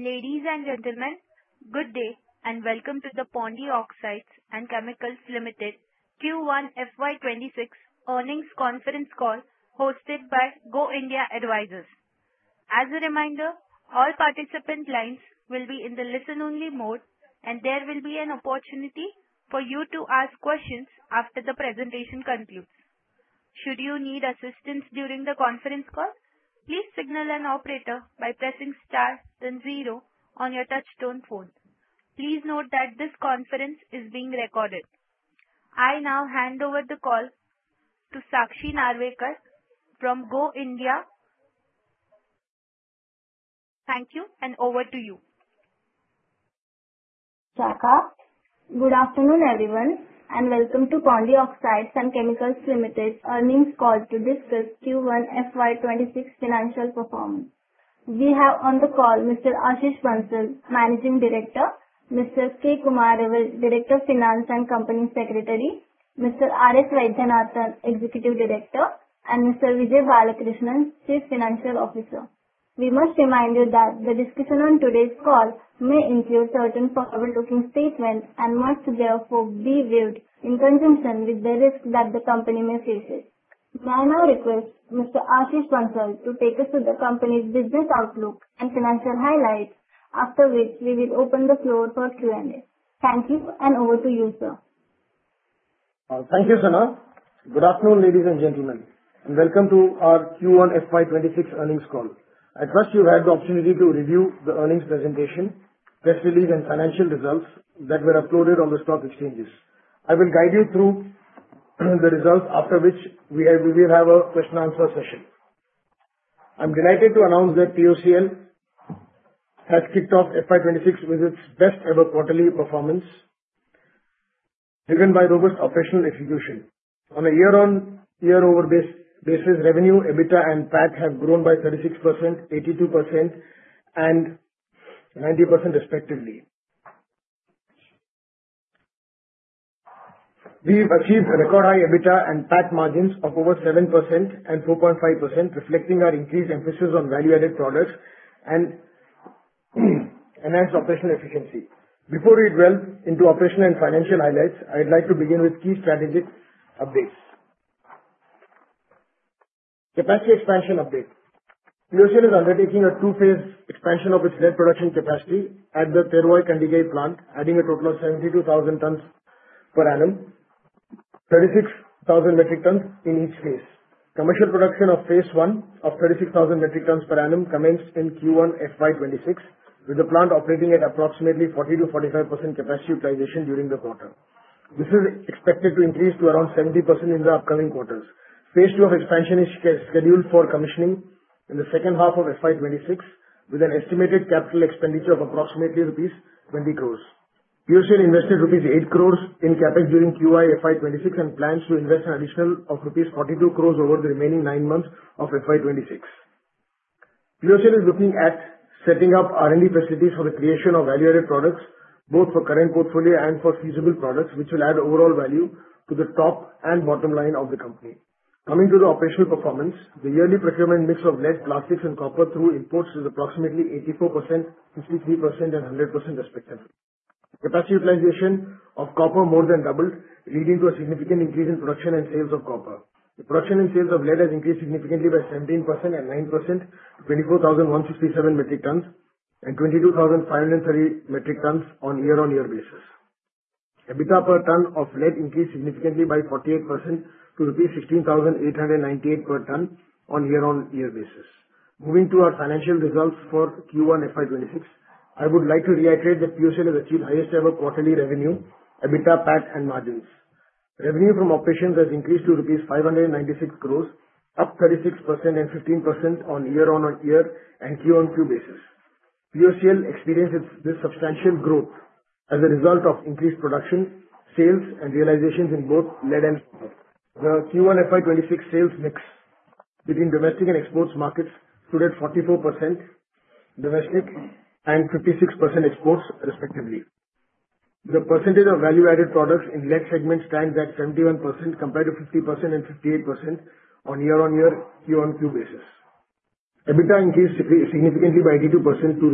Ladies and gentlemen, good day and welcome to the Pondy Oxides and Chemicals Limited Q1 FY 2026 earnings conference call hosted by Go India Advisors. As a reminder, all participant lines will be in listen-only mode and there will be an opportunity for you to ask questions after the presentation concludes. Should you need assistance during the conference call, please signal an operator by pressing star then zero on your touch-tone phone. Please note that this conference is being recorded. I now hand over the call to Sakshi Narvekar from Go India. Thank you, and over to you. Good afternoon, everyone, and welcome to Pondy Oxides and Chemicals Limited earnings call to discuss Q1 FY 2026 financial performance. We have on the call Mr. Ashish Bansal, Managing Director, Mr. K. Kumaravel, Director of Finance and Company Secretary, Mr. R.S. Vaidyanathan, Executive Director, and Mr. Vijay Balakrishnan, Chief Financial Officer. We must remind you that the discussion on today's call may include certain forward-looking statements and must therefore be viewed in conjunction with the risks that the company may faces. May I now request Mr. Ashish Bansal to take us through the company's business outlook and financial highlights, after which we will open the floor for Q&A. Thank you, and over to you, sir. Thank you, Sakshi. Good afternoon, ladies and gentlemen, welcome to our Q1 FY 2026 earnings call. I trust you've had the opportunity to review the earnings presentation, press release, and financial results that were uploaded on the stock exchanges. I will guide you through the results, after which we will have a question and answer session. I'm delighted to announce that POCL has kicked off FY 2026 with its best-ever quarterly performance, driven by robust operational execution. On a year-over-year basis, revenue, EBITDA, and PAT have grown by 36%, 82%, and 90% respectively. We've achieved a record high EBITDA and PAT margins of over 7% and 4.5%, reflecting our increased emphasis on value-added products and enhanced operational efficiency. Before we delve into operational and financial highlights, I'd like to begin with key strategic updates. Capacity expansion update. POCL is undertaking a two-phase expansion of its lead production capacity at the Thervoykandigai plant, adding a total of 72,000 tonnes per annum, 36,000 metric tons in each phase. Commercial production of phase I of 36,000 metric tons per annum commenced in Q1 FY 2026, with the plant operating at approximately 40%-45% capacity utilization during the quarter. This is expected to increase to around 70% in the upcoming quarters. Phase II of expansion is scheduled for commissioning in the second half of FY 2026, with an estimated capital expenditure of approximately rupees 20 crores. POCL invested rupees 8 crores in CapEx during Q1 FY 2026 and plans to invest an additional of rupees 42 crores over the remaining nine months of FY 2026. POCL is looking at setting up R&D facilities for the creation of value-added products, both for current portfolio and for feasible products, which will add overall value to the top and bottom line of the company. Coming to the operational performance, the yearly procurement mix of lead, plastics, and copper through imports is approximately 84%, 63%, and 100% respectively. Capacity utilization of copper more than doubled, leading to a significant increase in production and sales of copper. The production and sales of lead has increased significantly by 17% and 9%, to 24,167 metric tons and 22,530 metric tons on a year-on-year basis. EBITDA per tonne of lead increased significantly by 48% to rupees 16,898 per tonne on a year-on-year basis. Moving to our financial results for Q1 FY 2026, I would like to reiterate that POCL has achieved highest ever quarterly revenue, EBITDA, PAT, and margins. Revenue from operations has increased to 596 crores rupees, up 36% and 15% on year-on-year and Q-on-Q basis. POCL experienced this substantial growth as a result of increased production, sales, and realizations in both lead and copper. The Q1 FY 2026 sales mix between domestic and exports markets stood at 44% domestic and 56% exports respectively. The percentage of value-added products in lead segment stands at 71%, compared to 50% and 58% on year-on-year, Q-on-Q basis. EBITDA increased significantly by 82% to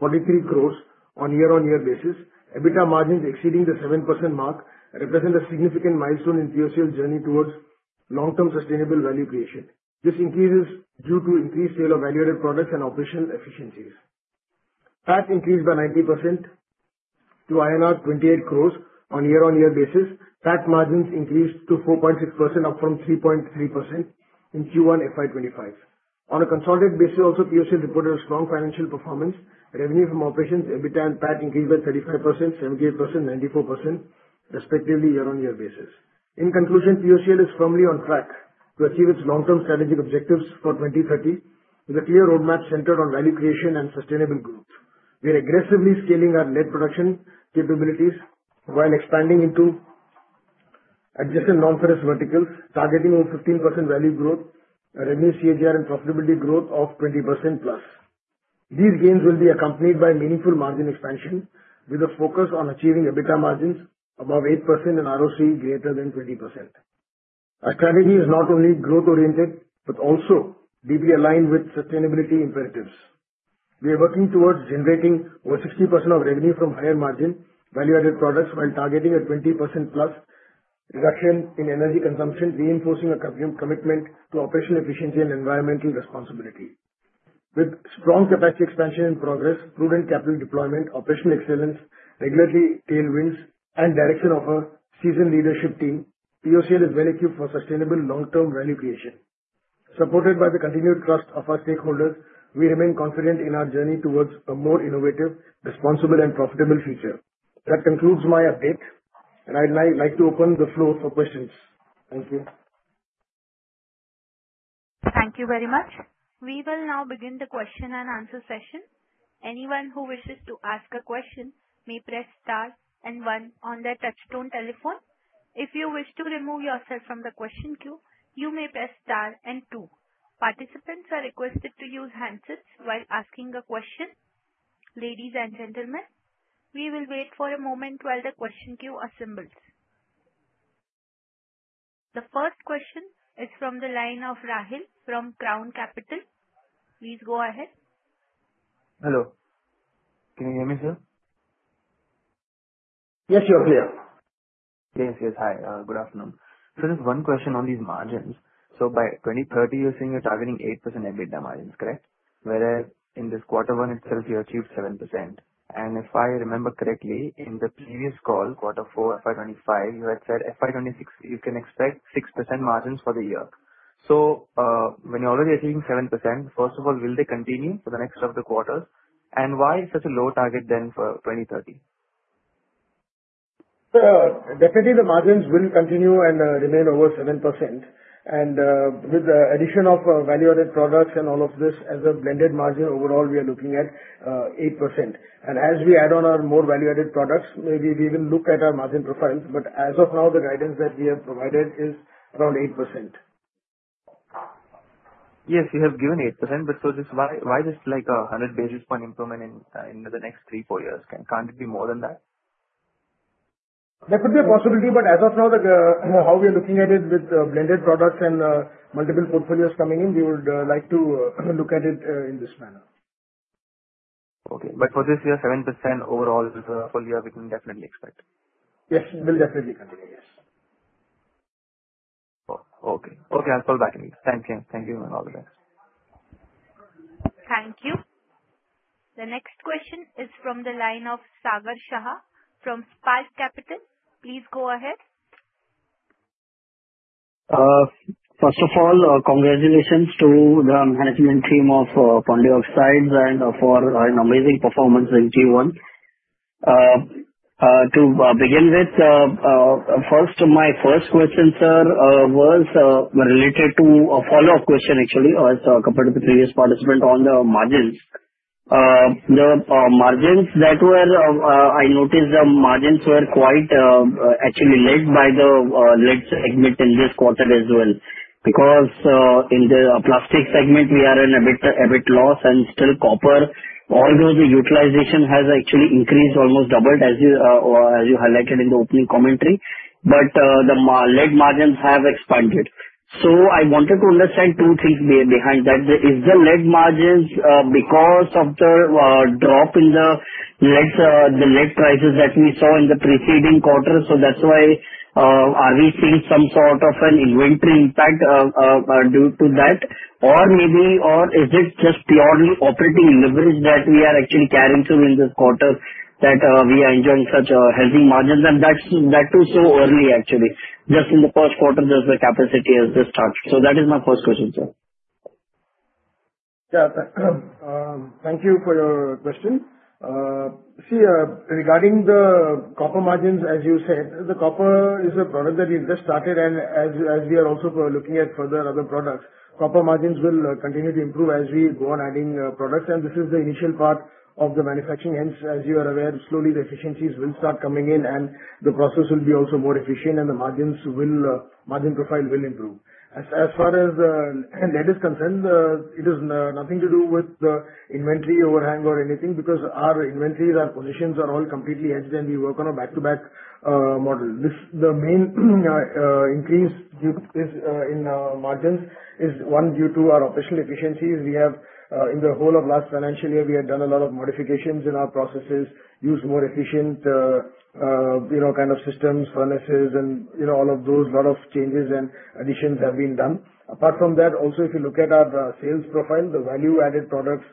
43 crores on a year-on-year basis. EBITDA margins exceeding the 7% mark represent a significant milestone in POCL's journey towards long-term sustainable value creation. This increase is due to increased sale of value-added products and operational efficiencies. PAT increased by 90% to INR 28 crores on a year-on-year basis. PAT margins increased to 4.6%, up from 3.3% in Q1 FY25. On a consolidated basis also, POCL reported a strong financial performance. Revenue from operations, EBITDA, and PAT increased by 35%, 78%, 94% respectively year-on-year basis. In conclusion, POCL is firmly on track to achieve its long-term strategic objectives for 2030, with a clear roadmap centered on value creation and sustainable growth. We are aggressively scaling our lead production capabilities while expanding into adjacent non-ferrous verticals, targeting over 15% value growth, a revenue CAGR and profitability growth of 20%+. These gains will be accompanied by meaningful margin expansion, with a focus on achieving EBITDA margins above 8% and ROC greater than 20%. Our strategy is not only growth-oriented but also deeply aligned with sustainability imperatives. We are working towards generating over 60% of revenue from higher margin Value-Added Products while targeting a 20%+ reduction in energy consumption, reinforcing a commitment to operational efficiency and environmental responsibility. With strong capacity expansion in progress, prudent capital deployment, operational excellence, regulatory tailwinds, and direction of a seasoned leadership team, POCL is well equipped for sustainable long-term value creation. Supported by the continued trust of our stakeholders, we remain confident in our journey towards a more innovative, responsible, and profitable future. That concludes my update, I'd now like to open the floor for questions. Thank you. Thank you very much. We will now begin the question and answer session. Anyone who wishes to ask a question may press star and one on their touchtone telephone. If you wish to remove yourself from the question queue, you may press star and two. Participants are requested to use handsets while asking a question. Ladies and gentlemen, we will wait for a moment while the question queue assembles. The first question is from the line of Rahil from Crown Capital. Please go ahead. Hello. Can you hear me, sir? Yes, you are clear. Yes. Hi, good afternoon. Sir, just one question on these margins. By 2030, you're saying you're targeting 8% EBITDA margins, correct? Whereas in this Q1 itself, you achieved 7%. If I remember correctly, in the previous call, Q4 FY 2025, you had said FY 2026 you can expect 6% margins for the year. When you're already achieving 7%, first of all, will they continue for the next set of quarters? Why such a low target then for 2030? Sir, definitely the margins will continue and remain over 7%. With the addition of value-added products and all of this as a blended margin, overall, we are looking at 8%. As we add on our more value-added products, maybe we will look at our margin profiles. As of now, the guidance that we have provided is around 8%. Yes, you have given 8%. Sir, why just like 100 basis point improvement in the next three, four years? Can't it be more than that? That could be a possibility. As of now, how we are looking at it with blended products and multiple portfolios coming in, we would like to look at it in this manner. Okay. For this year, 7% overall is what we can definitely expect. Yes. Will definitely continue. Yes. Okay. I'll call back. Thank you. All the best. Thank you. The next question is from the line of Sagar Shah from Spark Capital. Please go ahead. First of all, congratulations to the management team of Pondy Oxides and for an amazing performance in Q1. To begin with, my first question, sir, was related to a follow-up question actually, as compared to the previous participant on the margins. I noticed the margins were quite actually led by the lead segment in this quarter as well. In the plastic segment, we are in a bit of EBIT loss and still copper, although the utilization has actually increased, almost doubled as you highlighted in the opening commentary, the lead margins have expanded. I wanted to understand two things behind that. Is the lead margins because of the drop in the lead prices that we saw in the preceding quarter, that's why are we seeing some sort of an inventory impact due to that? Is it just purely operating leverage that we are actually carrying through in this quarter, that we are enjoying such healthy margins, and that too so early actually, just in the first quarter, the capacity has just started? That is my first question, sir. Yeah. Thank you for your question. See, regarding the copper margins, as you said, the copper is a product that we've just started and as we are also looking at further other products, copper margins will continue to improve as we go on adding products. This is the initial part of the manufacturing. Hence, as you are aware, slowly the efficiencies will start coming in and the process will be also more efficient and the margin profile will improve. As far as lead is concerned, it is nothing to do with inventory overhang or anything because our inventories, our positions are all completely hedged and we work on a back-to-back model. The main increase in our margins is one, due to our operational efficiencies we have. In the whole of last financial year, we had done a lot of modifications in our processes, used more efficient kind of systems, furnaces and all of those, lot of changes and additions have been done. Apart from that, also if you look at our sales profile, the value-added products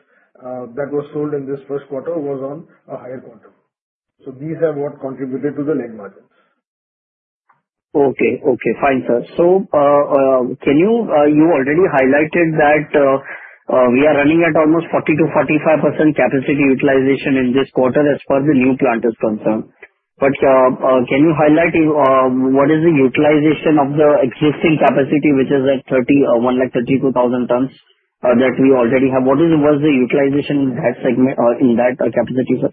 that were sold in this first quarter was on a higher quantum. These are what contributed to the lead margins. Okay. Fine, sir. You already highlighted that we are running at almost 40%-45% capacity utilization in this quarter as far as the new plant is concerned. Can you highlight what is the utilization of the existing capacity, which is at 132,000 tons that we already have? What was the utilization in that capacity, sir?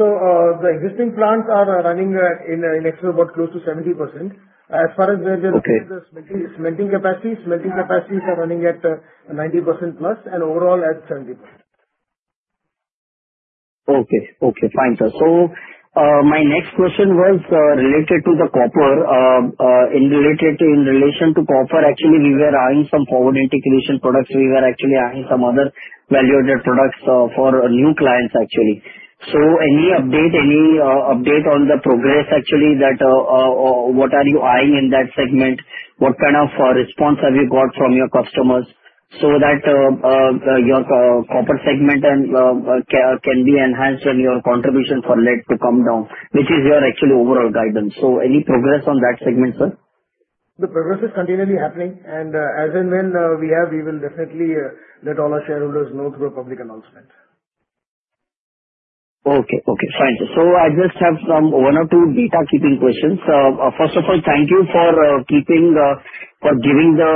The existing plants are running in actually about close to 70%. Okay. Smelting capacity, smelting capacities are running at 90%+ and overall at 70%. Okay, fine, sir. My next question was related to the copper. In relation to copper, actually, we were eyeing some forward integration products. We were actually eyeing some other value-added products for new clients, actually. Any update on the progress, actually, what are you eyeing in that segment? What kind of response have you got from your customers so that your copper segment can be enhanced and your contribution for lead to come down, which is your actual overall guidance. Any progress on that segment, sir? The progress is continually happening, and as and when we have, we will definitely let all our shareholders know through a public announcement. Okay. Fine, sir. I just have one or two data keeping questions. First of all, thank you for giving the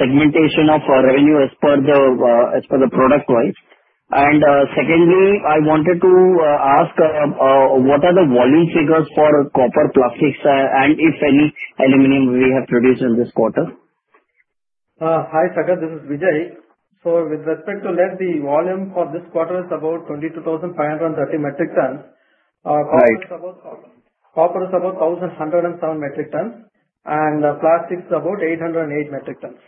segmentation of revenue as per the product wise. Secondly, I wanted to ask, what are the volume figures for copper plastics, and if any aluminum we have produced in this quarter? Hi, Sagar. This is Vijay. With respect to lead, the volume for this quarter is about 22,530 metric tons. Right. Copper is about 1,107 metric tons, plastic is about 808 metric tons.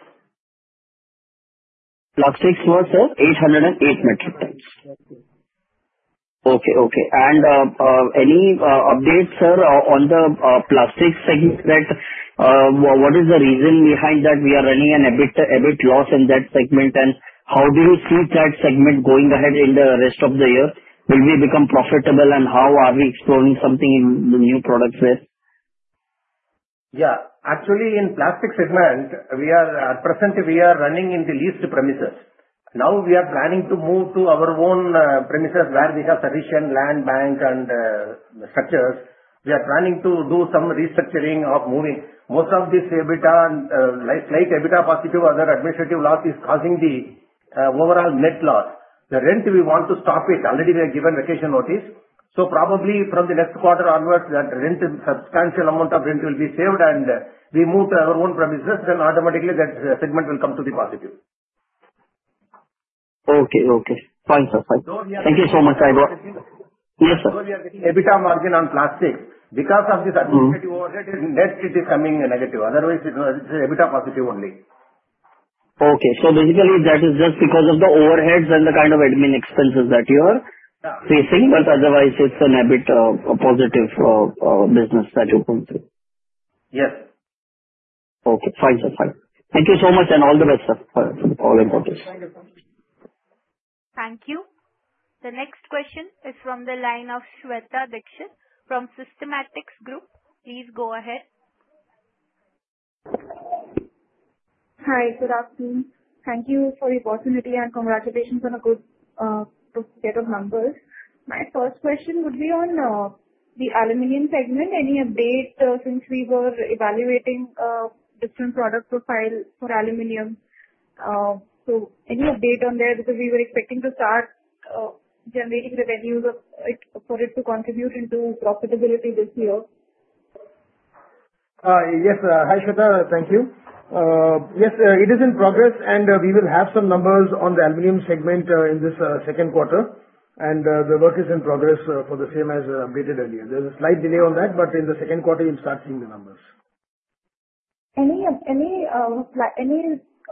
Plastic was, sir, 808 metric tons. Okay. Any updates, sir, on the plastic segment? What is the reason behind that we are running an EBIT loss in that segment, and how do you see that segment going ahead in the rest of the year? Will we become profitable, and how are we exploring something in the new products there? Yeah. Actually, in plastic segment, at present we are running in the leased premises. Now we are planning to move to our own premises where we have sufficient land bank and structures. We are planning to do some restructuring of moving. Most of this slight EBITDA positive, other administrative loss is causing the overall net loss. The rent, we want to stop it. Already we have given vacation notice. Probably from the next quarter onwards, substantial amount of rent will be saved, and we move to our own premises, then automatically that segment will come to the positive. Okay. Fine, sir. Thank you so much. So we are- Yes, sir. We are getting EBITDA margin on plastic. Because of this administrative overhead, net it is coming negative. Otherwise, it's EBITDA positive only. Okay. Basically, that is just because of the overheads and the kind of admin expenses that your facing, but otherwise it's an EBIT positive business that you're going through. Yes. Okay, fine, sir. Thank you so much, and all the best, sir, for all your projects. Thank you. Thank you. The next question is from the line of Shweta Dikshit from Systematix Group. Please go ahead. Hi, good afternoon. Thank you for your opportunity, and congratulations on a good set of numbers. My first question would be on the aluminum segment. Any update, since we were evaluating different product profile for aluminum. Any update on there? We were expecting to start generating revenues for it to contribute into profitability this year. Yes. Hi, Shweta. Thank you. Yes, it is in progress, and we will have some numbers on the aluminum segment in this second quarter, and the work is in progress for the same as updated earlier. There's a slight delay on that, but in the second quarter, you'll start seeing the numbers. Any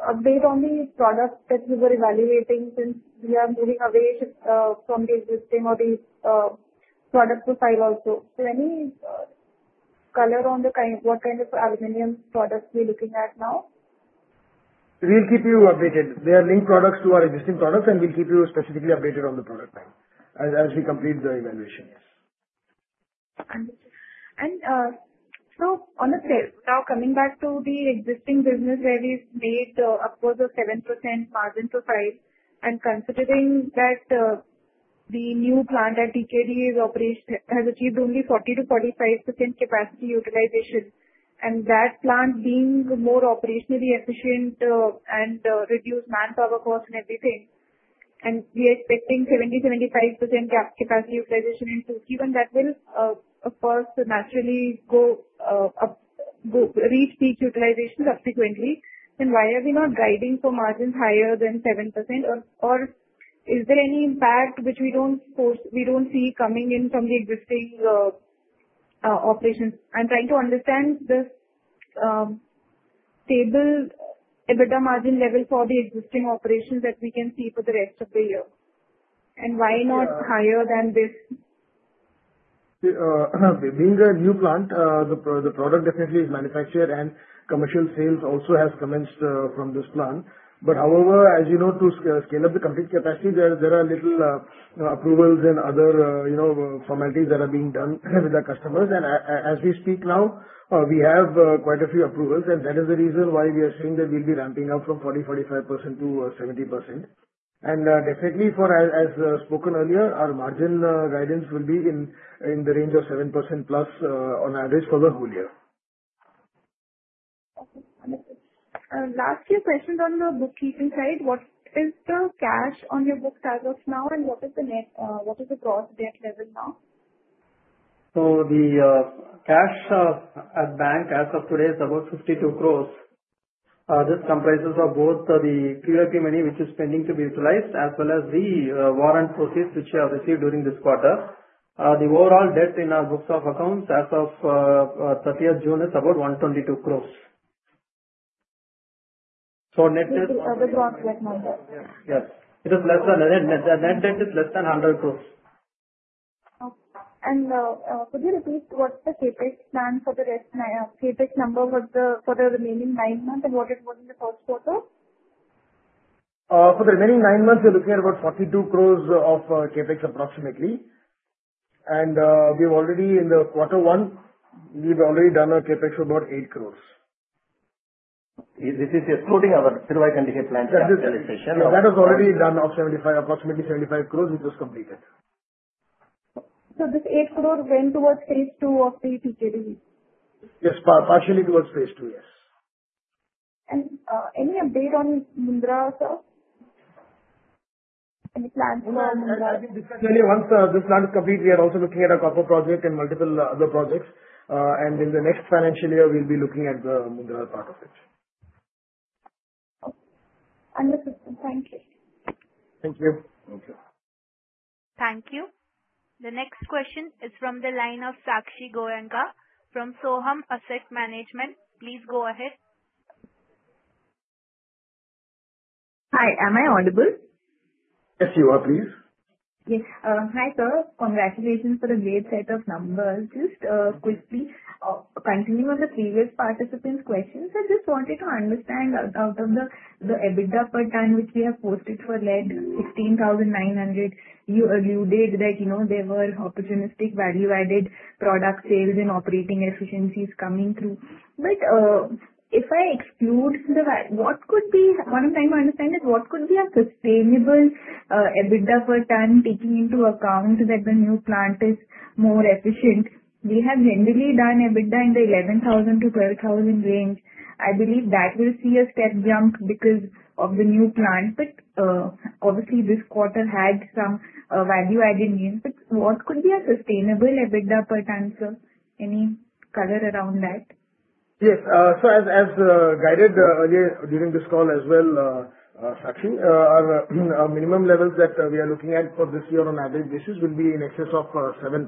update on the product that we were evaluating since we are moving away from the existing or the product profile also? Any color on what kind of aluminum products we're looking at now? We'll keep you updated. They are linked products to our existing products. We'll keep you specifically updated on the product line as we complete the evaluations. Understood. Honestly, now coming back to the existing business where we've made upwards of 7% margin profile, and considering that the new plant at TKD has achieved only 40%-45% capacity utilization, and that plant being more operationally efficient and reduced manpower cost and everything, and we are expecting 70%-75% capacity utilization in 2Q, and that will of course naturally reach peak utilization subsequently, why are we not guiding for margins higher than 7%? Is there any impact which we don't see coming in from the existing operations? I'm trying to understand this stable EBITDA margin level for the existing operations that we can see for the rest of the year. Why not higher than this? Being a new plant, the product definitely is manufactured and commercial sales also has commenced from this plant. However, as you know, to scale up the complete capacity, there are little approvals and other formalities that are being done with our customers. As we speak now, we have quite a few approvals, and that is the reason why we are saying that we'll be ramping up from 40%-45% to 70%. Definitely, as spoken earlier, our margin guidance will be in the range of 7%+ on average for the whole year. Last few questions on the bookkeeping side. What is the cash on your books as of now? What is the gross debt level now? The cash at bank as of today is about 52 crores. This comprises of both the pre-IPO money which is pending to be utilized, as well as the warrant proceeds which we have received during this quarter. The overall debt in our books of accounts as of 30th June is about INR 122 crores. Yes. The net debt is less than INR 100 crores. Okay. Could you repeat what's the CapEx number for the remaining nine months and what it was in the first quarter? For the remaining nine months, we're looking at about 42 crores of CapEx approximately. We're already in the quarter one, we've already done our CapEx of about eight crores. This is excluding our [civilized] integrated plant. That is already done, approximately 75 crores, which was completed. This 8 crore went towards phase II of TKD? Yes, partially towards phase II, yes. Any update on Mundra, sir? Any plans for Mundra? Once this plant is complete, we are also looking at a copper project and multiple other projects. In the next financial year, we'll be looking at the Mundra part of it. Understood. Thank you. Thank you. Thank you. Thank you. The next question is from the line of Sakshi Goenka from Sohum Asset Management. Please go ahead. Hi, am I audible? Yes, you are. Please. Yes. Hi, sir. Congratulations for the great set of numbers. Just quickly, continuing on the previous participant's questions, I just wanted to understand out of the EBITDA per ton which we have posted for lead, 16,900 crores, you alluded that there were opportunistic value-added product sales and operating efficiencies coming through. What I am trying to understand is what could be a sustainable EBITDA per ton taking into account that the new plant is more efficient. We have generally done EBITDA in the 11,000 crores-12,000 crores range. I believe that will see a step jump because of the new plant. Obviously, this quarter had some value-added gains. What could be a sustainable EBITDA per ton, sir? Any color around that? Yes. As guided earlier during this call as well, Sakshi, our minimum levels that we are looking at for this year on aggregate basis will be in excess of 7%.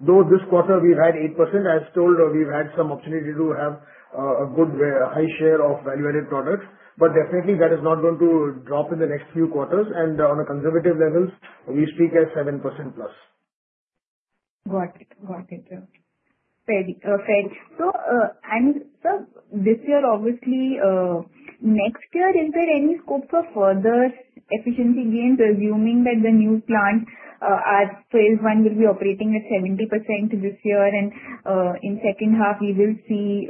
Though this quarter we had 8%, as told, we've had some opportunity to have a good high share of value-added products. Definitely that is not going to drop in the next few quarters, on a conservative levels, we speak at 7%+. Got it. Got it, sir. Sir, this year, obviously, next year, is there any scope for further efficiency gains, assuming that the new plant, as phase I will be operating at 70% this year and in second half we will see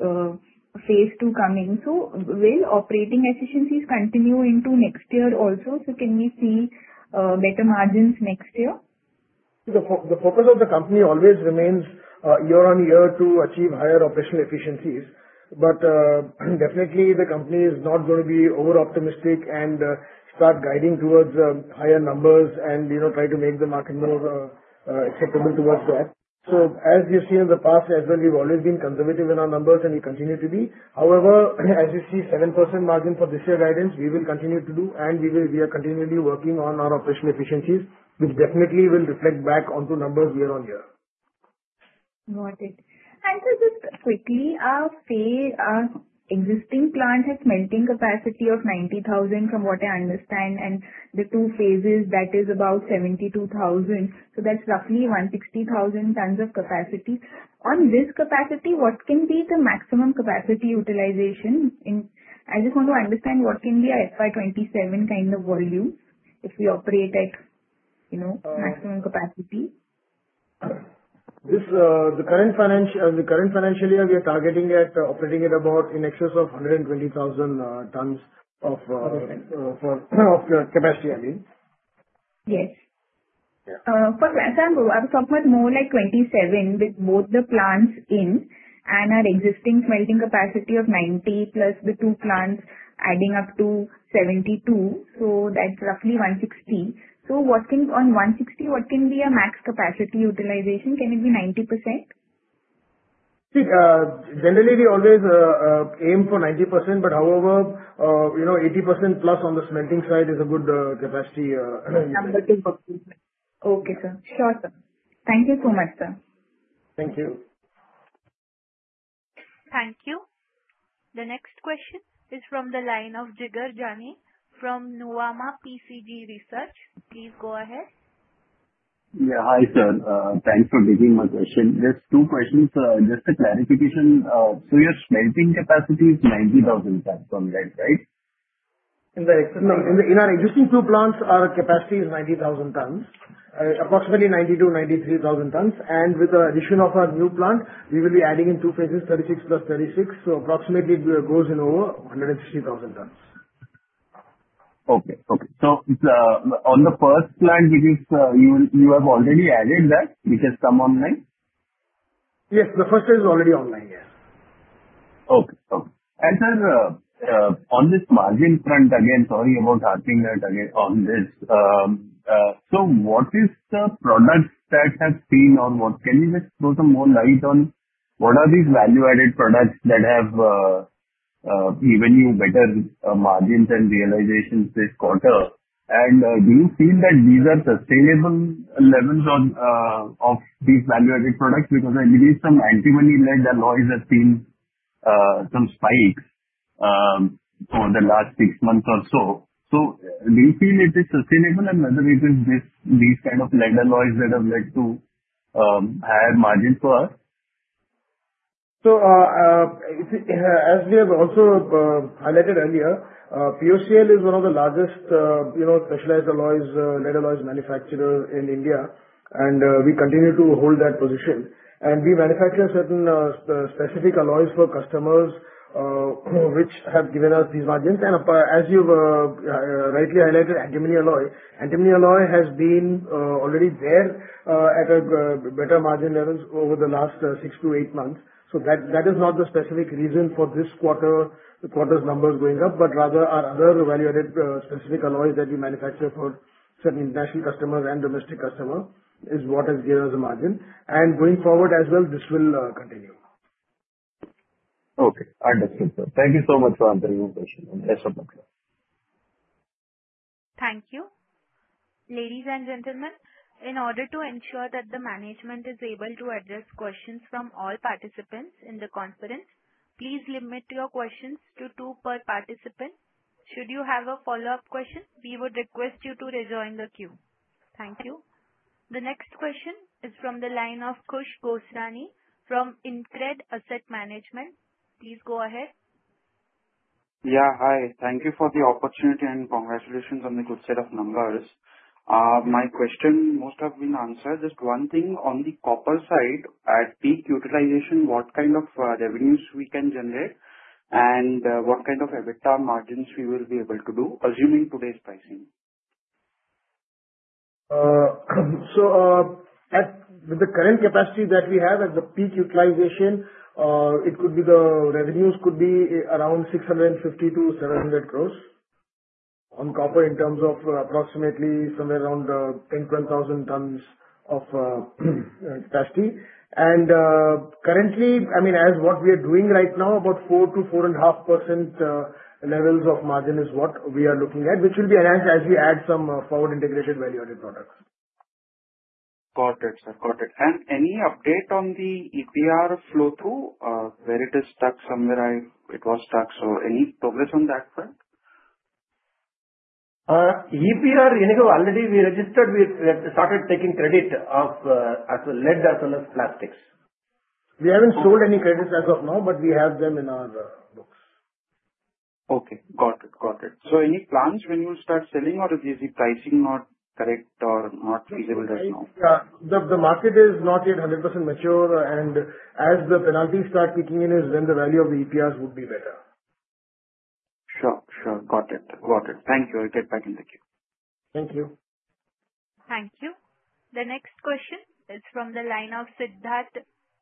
phase II coming. Will operating efficiencies continue into next year also? Can we see better margins next year? The focus of the company always remains year on year to achieve higher operational efficiencies. Definitely the company is not going to be over-optimistic and start guiding towards higher numbers and try to make the market more acceptable towards that. As you've seen in the past as well, we've always been conservative in our numbers, and we continue to be. However, as you see 7% margin for this year guidance, we will continue to do, and we are continually working on our operational efficiencies, which definitely will reflect back onto numbers year on year. Got it. Just quickly, our existing plant has smelting capacity of 90,000, from what I understand, and the two phases, that is about 72,000. That's roughly 160,000 tons of capacity. On this capacity, what can be the maximum capacity utilization in I just want to understand what can be a FY 2027 kind of volume if we operate at maximum capacity. The current financial year, we are targeting at operating at about in excess of 120,000 tons of capacity, I mean. Yes. Yeah. For example, I was talking about more like 2027 with both the plants in and our existing smelting capacity of 90 plus the two plants adding up to 72, so that's roughly 160. On 160, what can be a max capacity utilization? Can it be 90%? See, generally we always aim for 90%, but however, 80%+ on the smelting side is a good capacity. Okay, sir. Sure, sir. Thank you so much, sir. Thank you. Thank you. The next question is from the line of Jigar Jani from Nuvama PCG Research. Please go ahead. Yeah. Hi, sir. Thanks for taking my question. Just two questions. Just a clarification. Your smelting capacity is 90,000 tons from lead, right? In our existing two plants, our capacity is 90,000 tons, approximately 92,000, 93,000 tons. With the addition of our new plant, we will be adding in two phases, 36 + 36. Approximately it goes in over 150,000 tons. Okay. On the first plant, you have already added that, which has come online? Yes, the first one is already online, yes. Okay. Sir, on this margin front, again, sorry about asking that again on this. What is the product that has been or can you just throw some more light on what are these value-added products that have given you better margins and realizations this quarter? Do you feel that these are sustainable levels of these value-added products? Because I believe some antimony lead alloys have seen some spikes for the last six months or so. Do you feel it is sustainable and whether it is these kind of lead alloys that have led to higher margins for us? As we have also highlighted earlier, POCL is one of the largest specialized lead alloys manufacturer in India, and we continue to hold that position. We manufacture certain specific alloys for customers which have given us these margins. As you've rightly highlighted, antimony alloy. Antimony alloy has been already there at better margin levels over the last six to eight months. That is not the specific reason for this quarter's numbers going up. Rather, our other value-added specific alloys that we manufacture for certain international customers and domestic customer is what has given us the margin. Going forward as well, this will continue. Okay. Understood, sir. Thank you so much for answering my question. Best of luck. Thank you. Ladies and gentlemen, in order to ensure that the management is able to address questions from all participants in the conference, please limit your questions to two per participant. Should you have a follow-up question, we would request you to rejoin the queue. Thank you. The next question is from the line of Kush Gosrani from InCred Asset Management. Please go ahead. Yeah, hi. Thank you for the opportunity and congratulations on the good set of numbers. My question most have been answered. Just one thing on the copper side, at peak utilization, what kind of revenues we can generate and what kind of EBITDA margins we will be able to do, assuming today's pricing. With the current capacity that we have at the peak utilization, the revenues could be around 650 crores-700 crores on copper in terms of approximately somewhere around 10,000-12,000 tons of capacity. Currently, as what we are doing right now, about 4%-4.5% levels of margin is what we are looking at, which will be enhanced as we add some forward integrated value-added products. Got it, sir. Any update on the EPR flow through, where it is stuck, somewhere it was stuck. Any progress on that front? EPR, already we registered, we started taking credit of lead that's on the plastics. We haven't sold any credits as of now, but we have them in our books. Okay, got it. Any plans when you'll start selling or is the pricing not correct or not feasible as of now? The market is not yet 100% mature and as the penalties start kicking in, is when the value of the EPRs would be better. Sure. Got it. Thank you. I'll get back in the queue. Thank you. Thank you. The next question is from the line of Sidharth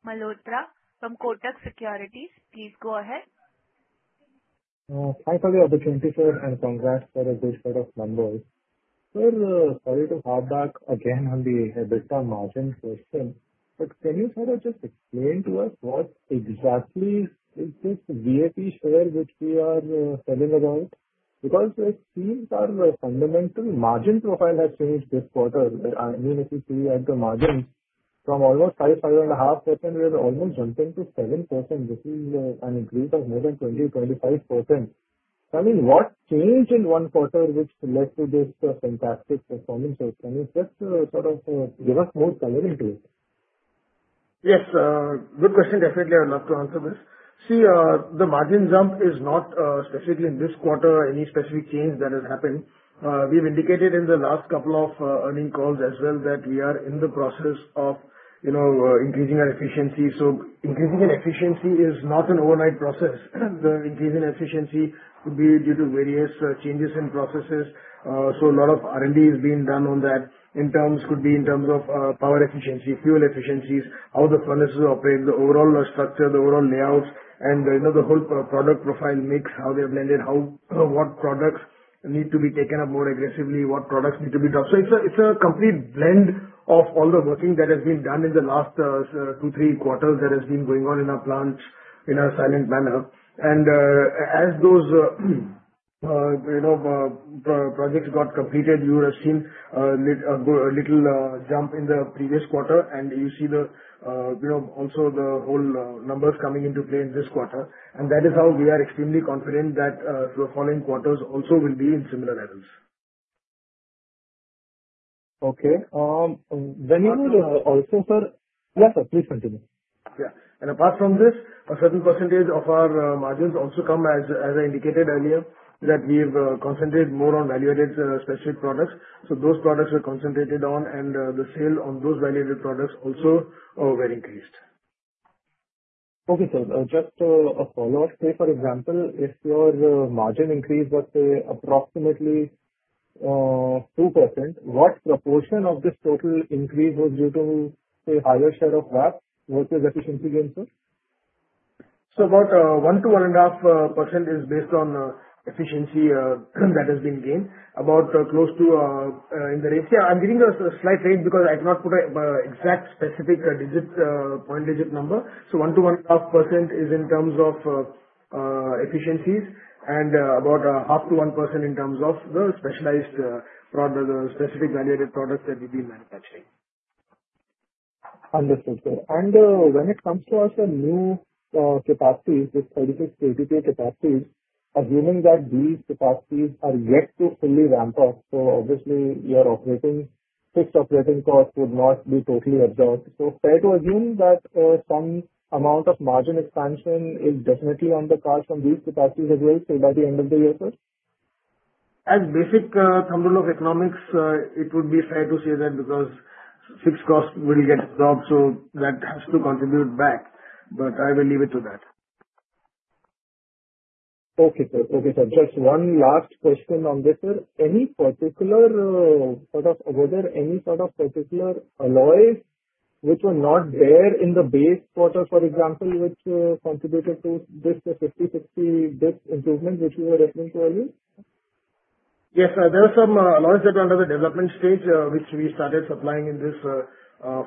Malhotra from Kotak Securities. Please go ahead. Thanks for the opportunity, sir, and congrats for this set of numbers. Sir, sorry to harp back again on the EBITDA margin question, but can you sort of just explain to us what exactly is this VAP share which we are selling around? It seems our fundamental margin profile has changed this quarter. If you see at the margins from almost five, 5.5%, we have almost jumped into 7%, which is an increase of more than 20%-25%. What changed in one quarter which led to this fantastic performance? Can you just sort of give us more coloring to it? Yes, good question. Definitely, I'd love to answer this. See, the margin jump is not specific in this quarter, any specific change that has happened. We've indicated in the last couple of earning calls as well that we are in the process of increasing our efficiency. Increasing an efficiency is not an overnight process. The increase in efficiency could be due to various changes in processes. A lot of R&D is being done on that. Could be in terms of power efficiency, fuel efficiencies, how the furnaces operate, the overall structure, the overall layouts, and the whole product profile mix, how they're blended, what products need to be taken up more aggressively, what products need to be dropped. It's a complete blend of all the working that has been done in the last two, three quarters that has been going on in our plants in a silent manner. As those projects got completed, you would have seen a little jump in the previous quarter, and you see also the whole numbers coming into play in this quarter. That is how we are extremely confident that the following quarters also will be in similar levels. Okay. Yes, sir. Please continue. Yeah. Apart from this, a certain percentage of our margins also come, as I indicated earlier, that we've concentrated more on value-added specific products. Those products we concentrated on and the sale on those value-added products also were increased. Okay, sir. Just a follow-up. Say, for example, if your margin increase was say approximately 2%. What proportion of this total increase was due to, say, higher share of VAPs versus efficiency gains, sir? About 1%-1.5% is based on efficiency that has been gained. I'm giving a slight range because I cannot put an exact specific point digit number. So 1%-1.5% is in terms of efficiencies and about 0.5%-1% in terms of the specific value-added products that we've been manufacturing. Understood, sir. When it comes to also new capacities, this 36, 32 capacities, assuming that these capacities are yet to fully ramp up, obviously your fixed operating costs would not be totally absorbed. Fair to assume that some amount of margin expansion is definitely on the cards from these capacities as well, say by the end of the year, sir? As basic thumb rule of economics, it would be fair to say that because fixed costs will get absorbed, that has to contribute back. I will leave it to that. Okay, sir. Just one last question on this. Were there any sort of particular alloys which were not there in the base quarter, for example, which contributed to this 50-60 base improvement which you were referring to earlier? Yes. There were some alloys that were under the development stage, which we started supplying in this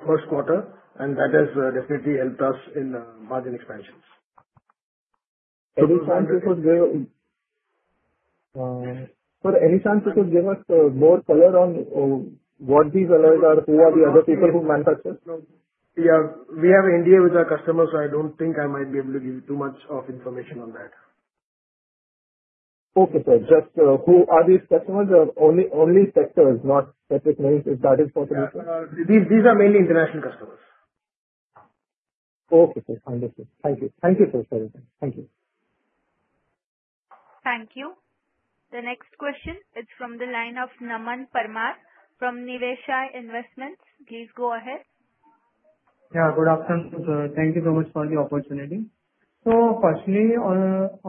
first quarter. That has definitely helped us in margin expansions. Sir, any chance you could give us more color on what these alloys are and who are the other people who manufacture? We have NDA with our customers, so I don't think I might be able to give you too much information on that. Okay, sir. Just who are these customers? Only sectors, not specific names. Is that important? These are mainly international customers. Okay, sir. Understood. Thank you. Thank you, sir, for everything. Thank you. Thank you. The next question is from the line of Naman Parmar from Niveshaay Investments. Please go ahead. Yeah. Good afternoon, sir. Thank you so much for the opportunity. Firstly,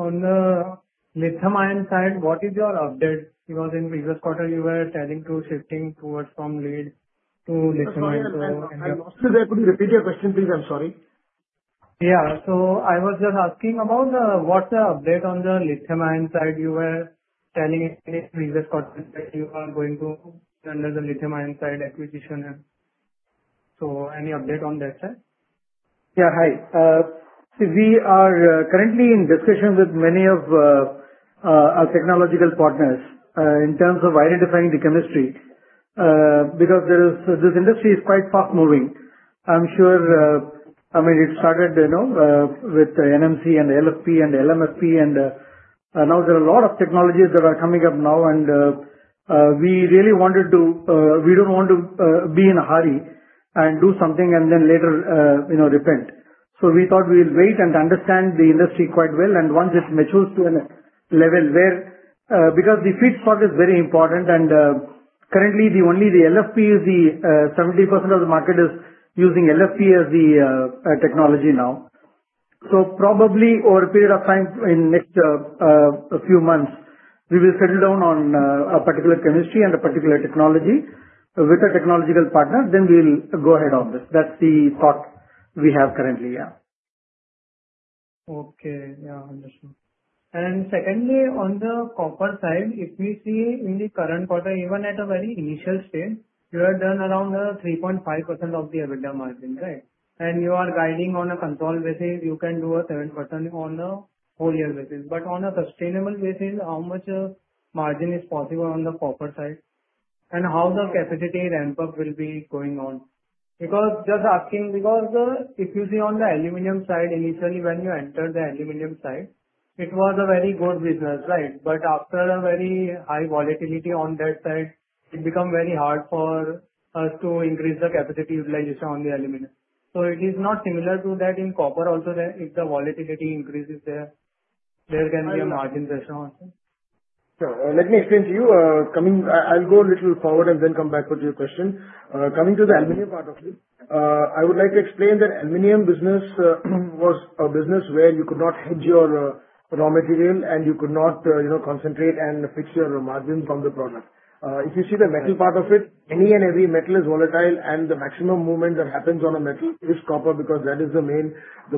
on the lithium ion side, what is your update? In the previous quarter you were tending to shifting from lead to lithium ion. I'm sorry. Could you repeat your question, please? I'm sorry. Yeah. I was just asking about what's the update on the lithium ion side. You were telling us in the previous quarter that you are going to enter the lithium ion side acquisition. Any update on that side? Yeah. Hi. We are currently in discussions with many of our technological partners in terms of identifying the chemistry because this industry is quite fast-moving. It started with NMC and LFP and LMFP, now there are a lot of technologies that are coming up now. We don't want to be in a hurry and do something and then later repent. We thought we'll wait and understand the industry quite well, once it matures to a level where Because the feedstock is very important, currently, only the LFP is the 70% of the market is using LFP as the technology now. Probably over a period of time in the next few months, we will settle down on a particular chemistry and a particular technology with a technological partner, then we'll go ahead on this. That's the thought we have currently. Yeah. Okay. Yeah. Understood. Secondly, on the copper side, if we see in the current quarter, even at a very initial stage, you have done around 3.5% of the EBITDA margin. Right? You are guiding on a consolidated basis, you can do a 7% on a whole year basis. On a sustainable basis, how much margin is possible on the copper side? How the capacity ramp up will be going on? Just asking because if you see on the aluminum side, initially when you entered the aluminum side, it was a very good business, right? After a very high volatility on that side, it become very hard for us to increase the capacity utilization on the aluminum. It is not similar to that in copper also, where if the volatility increases there can be a margin recession also. Sure. Let me explain to you. I'll go a little forward and then come back to your question. Coming to the aluminum part of it, I would like to explain that aluminum business was a business where you could not hedge your raw material and you could not concentrate and fix your margin from the product. If you see the metal part of it, any and every metal is volatile, and the maximum movement that happens on a metal is copper, because that is the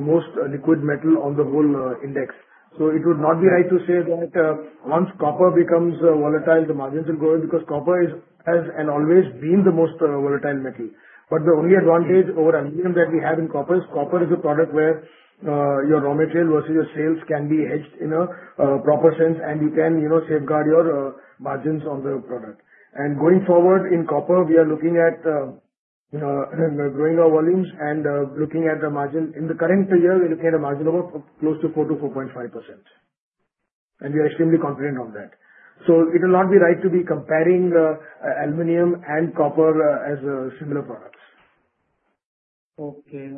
most liquid metal on the whole index. It would not be right to say that once copper becomes volatile, the margins will go because copper has and always been the most volatile metal. The only advantage over aluminum that we have in copper is copper is a product where your raw material versus your sales can be hedged in a proper sense, and you can safeguard your margins on the product. Going forward in copper, we are looking at growing our volumes and looking at the margin. In the current year, we look at a margin of close to 4%-4.5%. We are extremely confident on that. It will not be right to be comparing aluminum and copper as similar products. Okay,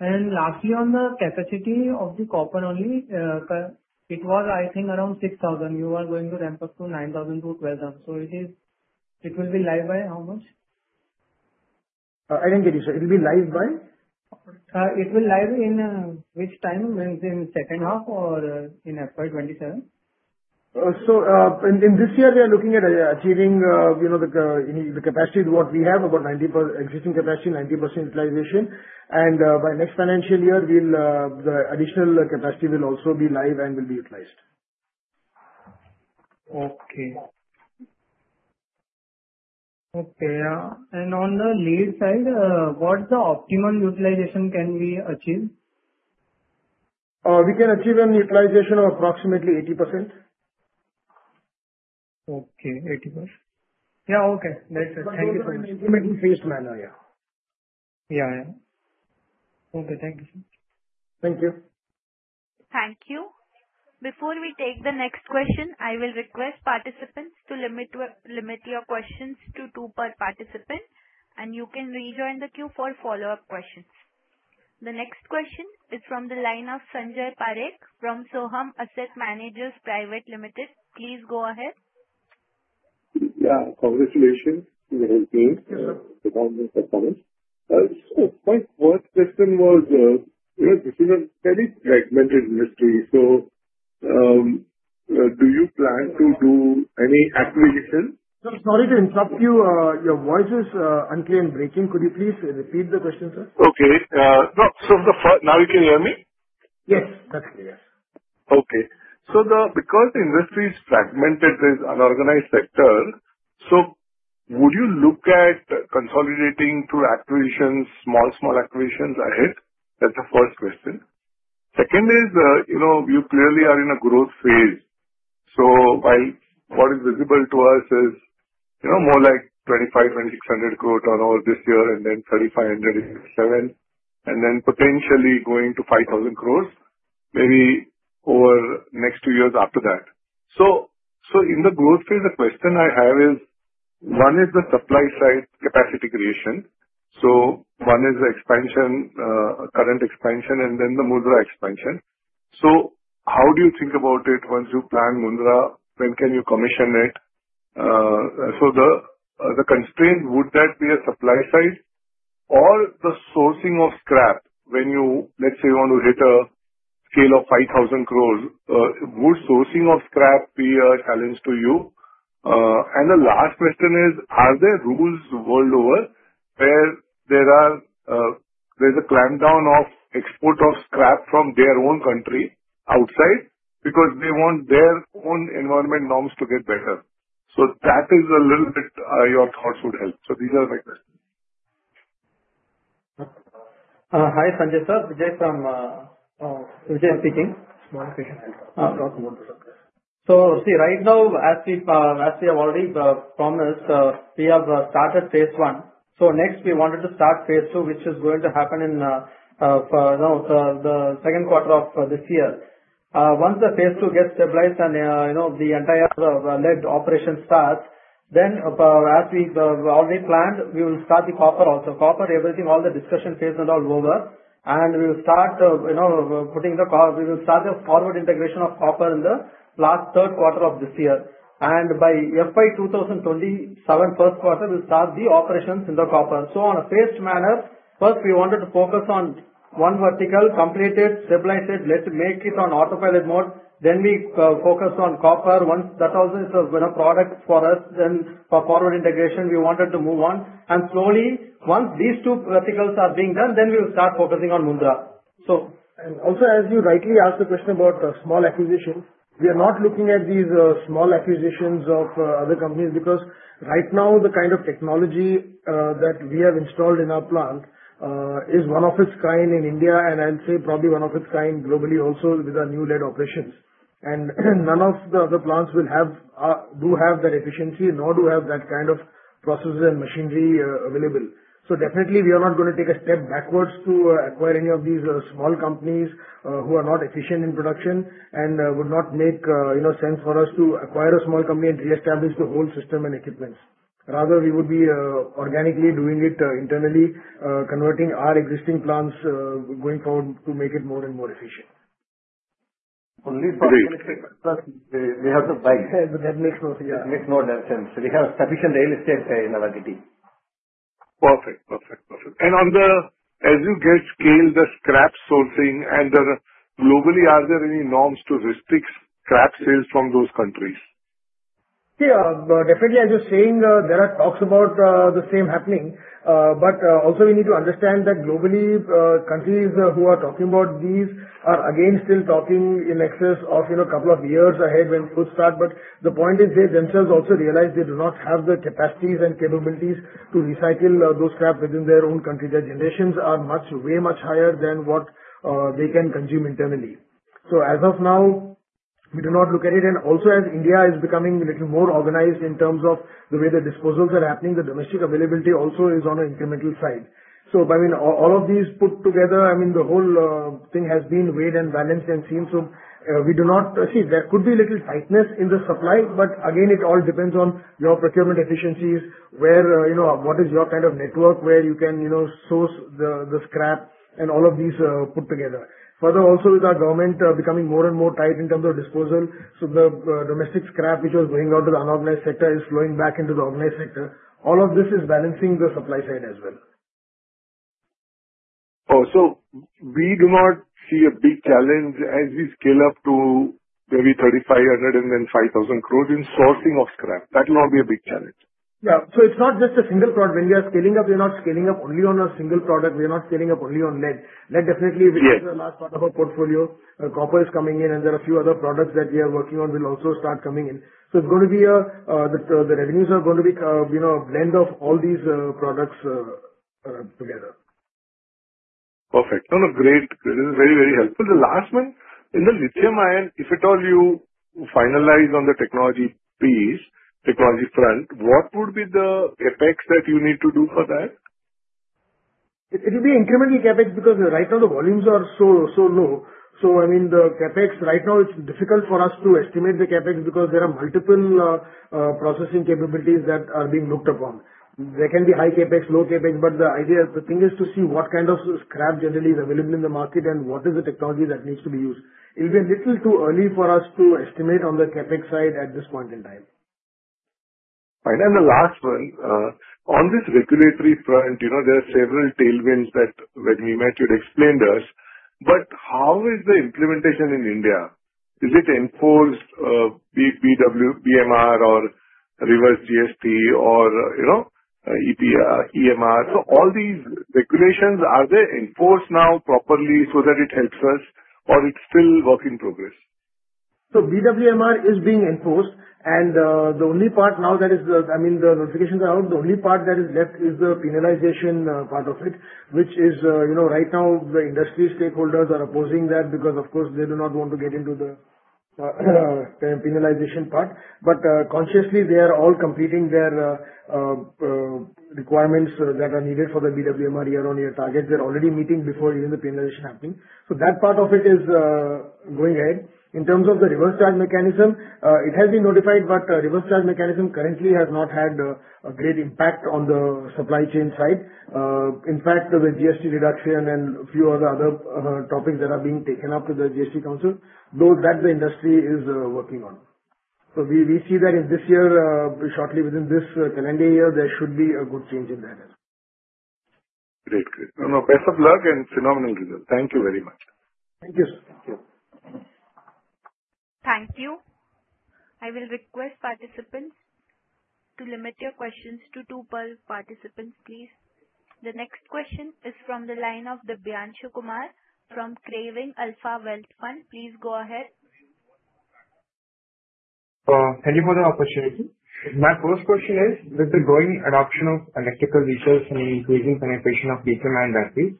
understood. Lastly, on the capacity of the copper only, it was I think around 6,000. You are going to ramp up to 9,000-12,000. It will be live by how much? I didn't get you, sir. It'll be live by? It will be live in which time? In second half or in FY 2027? In this year, we are looking at achieving the capacity to what we have, about existing capacity, 90% utilization. By next financial year, the additional capacity will also be live and will be utilized. Okay. On the lead side, what's the optimum utilization can we achieve? We can achieve a utilization of approximately 80%. Okay, 80%. Yeah, okay. That's it. Thank you so much. In a phased manner, yeah. Yeah. Okay. Thank you, sir. Thank you. Thank you. Before we take the next question, I will request participants to limit your questions to two per participant, and you can rejoin the queue for follow-up questions. The next question is from the line of Sanjay Parekh from Sohum Asset Managers Private Limited. Please go ahead. Yeah. Congratulations to the whole team. Yeah. My first question was, this is a very fragmented industry. Do you plan to do any acquisition? Sir, sorry to interrupt you. Your voice is unclean, breaking. Could you please repeat the question, sir? Okay. Now you can hear me? Yes, perfectly, yeah. Okay. Because the industry is fragmented, it is an unorganized sector. Would you look at consolidating through small acquisitions ahead? That's the first question. Second is, you clearly are in a growth phase. What is visible to us is more like 2,500-2,600 crore turnover this year and then 3,500 crore in FY 2027, and then potentially going to 5,000 crore maybe over the next two years after that. In the growth phase, the question I have is, one is the supply side capacity creation. One is the current expansion and then the Mundra expansion. How do you think about it once you plan Mundra, when can you commission it? The constraint, would that be a supply side or the sourcing of scrap when you, let's say, want to hit a scale of 5,000 crores, would sourcing of scrap be a challenge to you? The last question is, are there rules worldwide where there's a clampdown of export of scrap from their own country outside because they want their own environment norms to get better? That is a little bit your thoughts would help. These are my questions. Hi, Sanjay sir, Vijay speaking. See, right now as we have already promised, we have started phase I. Next we wanted to start phase II, which is going to happen in the second quarter of this year. Once the phase II gets stabilized and the entire lead operation starts, then as we already planned, we will start the copper also. Copper everything, all the discussion phase and all is over, we will start the forward integration of copper in the last third quarter of this year. By FY 2027 first quarter, we'll start the operations in the copper. On a phased manner, first we wanted to focus on one vertical, complete it, stabilize it, let's make it on autopilot mode. We focus on copper. Once that also is a product for us, then for forward integration, we wanted to move on. Slowly, once these two verticals are being done, then we'll start focusing on Mundra. Also as you rightly asked the question about small acquisitions, we are not looking at these small acquisitions of other companies because right now the kind of technology that we have installed in our plant is one of its kind in India, and I'll say probably one of its kind globally also with our new lead operations. None of the other plants do have that efficiency nor do have that kind of processes and machinery available. Definitely we are not going to take a step backwards to acquire any of these small companies who are not efficient in production and would not make sense for us to acquire a small company and reestablish the whole system and equipment. Rather, we would be organically doing it internally, converting our existing plants going forward to make it more and more efficient. Only we have the buy. That makes no sense. That makes no damn sense. We have sufficient real estate in our kitty. Perfect. As you get scale, the scrap sourcing and globally, are there any norms to restrict scrap sales from those countries? Yeah. Definitely, as you're saying, there are talks about the same happening. Also you need to understand that globally, countries who are talking about these are again still talking in excess of a couple of years ahead when it will start. The point is they themselves also realize they do not have the capacities and capabilities to recycle those scraps within their own country. Their generations are way much higher than what they can consume internally. As of now, we do not look at it, and also as India is becoming a little more organized in terms of the way the disposals are happening, the domestic availability also is on an incremental side. By all of these put together, the whole thing has been weighed and balanced and seen. See, there could be a little tightness in the supply, but again, it all depends on your procurement efficiencies, what is your kind of network where you can source the scrap and all of these put together. Further, also with our government becoming more and more tight in terms of disposal, so the domestic scrap which was going out to the unorganized sector is flowing back into the organized sector. All of this is balancing the supply side as well. We do not see a big challenge as we scale up to maybe 3,500 crore and then 5,000 crore in sourcing of scrap. That will not be a big challenge. Yeah. It's not just a single product. When we are scaling up, we are not scaling up only on a single product. We are not scaling up only on lead. Yes which is the last part of our portfolio. Copper is coming in, and there are a few other products that we are working on will also start coming in. The revenues are going to be a blend of all these products together. Perfect. Great. This is very helpful. The last one. In the lithium ion, if at all you finalize on the technology piece, technology front, what would be the CapEx that you need to do for that? It will be incremental CapEx because right now the volumes are so low. I mean, the CapEx right now, it's difficult for us to estimate the CapEx because there are multiple processing capabilities that are being looked upon. They can be high CapEx, low CapEx, but the idea is to see what kind of scrap generally is available in the market, and what is the technology that needs to be used. It'll be a little too early for us to estimate on the CapEx side at this point in time. Fine. The last one. On this regulatory front, there are several tailwinds that when we met, you had explained to us, but how is the implementation in India? Is it enforced, BWMR or reverse GST or EPR? All these regulations, are they enforced now properly so that it helps us or it's still work in progress? BWMR is being enforced, and the only part now that is out, I mean, the notifications are out. The only part that is left is the penalization part of it, which is, right now the industry stakeholders are opposing that because, of course, they do not want to get into the penalization part. Consciously, they are all completing their requirements that are needed for the BWMR year-on-year targets. They are already meeting before even the penalization happening. That part of it is going ahead. In terms of the reverse charge mechanism, it has been notified, but reverse charge mechanism currently has not had a great impact on the supply chain side. In fact, the GST reduction and a few other topics that are being taken up to the GST Council, that the industry is working on. We see that in this year, pretty shortly within this calendar year, there should be a good change in that as well. Great. No, best of luck and phenomenal results. Thank you very much. Thank you. Thank you. Thank you. I will request participants to limit your questions to two per participant, please. The next question is from the line of Dibyansu Kumar from Craving Alpha Wealth Fund. Please go ahead. Thank you for the opportunity. My first question is, with the growing adoption of electrical vehicles and increasing penetration of lithium-ion batteries,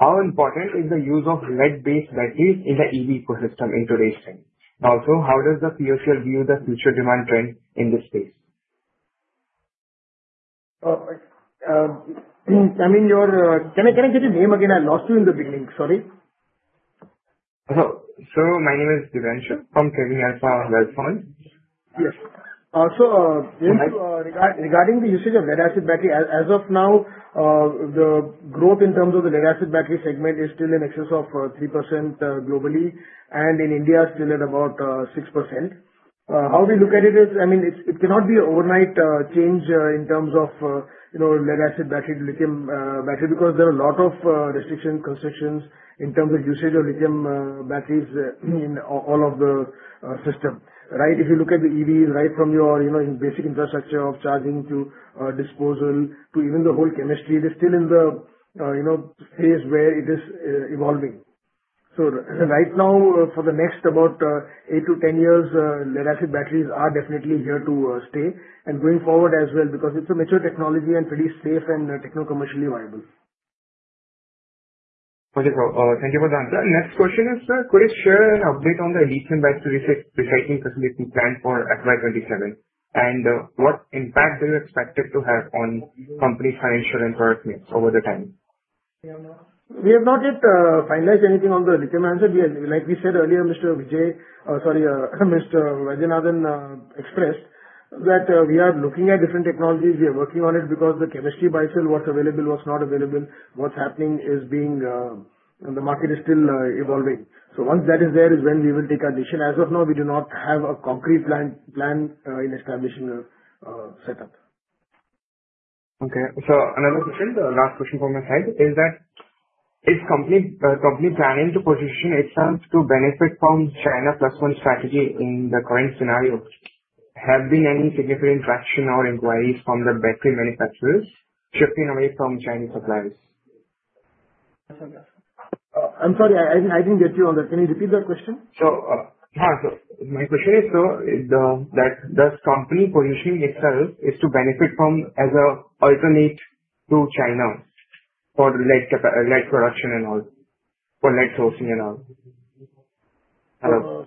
how important is the use of lead-based batteries in the EV ecosystem in today's time? Also, how does the POC view the future demand trend in this space? Can I get your name again? I lost you in the beginning, sorry. Sure. My name is Dibyansu from Craving Alpha Wealth Fund. Yes. Regarding the usage of lead acid battery, as of now, the growth in terms of the lead acid battery segment is still in excess of 3% globally, and in India is still at about 6%. How we look at it is, I mean, it cannot be a overnight change in terms of lead acid battery to lithium battery because there are a lot of restrictions, concessions in terms of usage of lithium batteries in all of the system. If you look at the EV, right from your basic infrastructure of charging to disposal to even the whole chemistry, it is still in the phase where it is evolving. Right now, for the next about 8 to 10 years, lead acid batteries are definitely here to stay and going forward as well because it's a mature technology and pretty safe and techno commercially viable. Okay. Thank you for the answer. Next question is, could you share an update on the lithium battery recycling facility planned for FY 2027, and what impact do you expect it to have on company's financial and performance over the time? We have not yet finalized anything on the lithium ion. Like we said earlier, Mr. Vaidhyanathan expressed that we are looking at different technologies. We are working on it because the chemistry by itself, what's available, what's not available, what's happening is the market is still evolving. Once that is there is when we will take our decision. As of now, we do not have a concrete plan in establishing a setup. Okay. Another question, the last question from my side is that, is company planning to position itself to benefit from China Plus One strategy in the current scenario? Have been any significant traction or inquiries from the battery manufacturers shifting away from Chinese suppliers? I'm sorry, I didn't get you on that. Can you repeat that question? My question is, does company positioning itself is to benefit from as an alternate to China for lead production and all, for lead sourcing and all? Hello?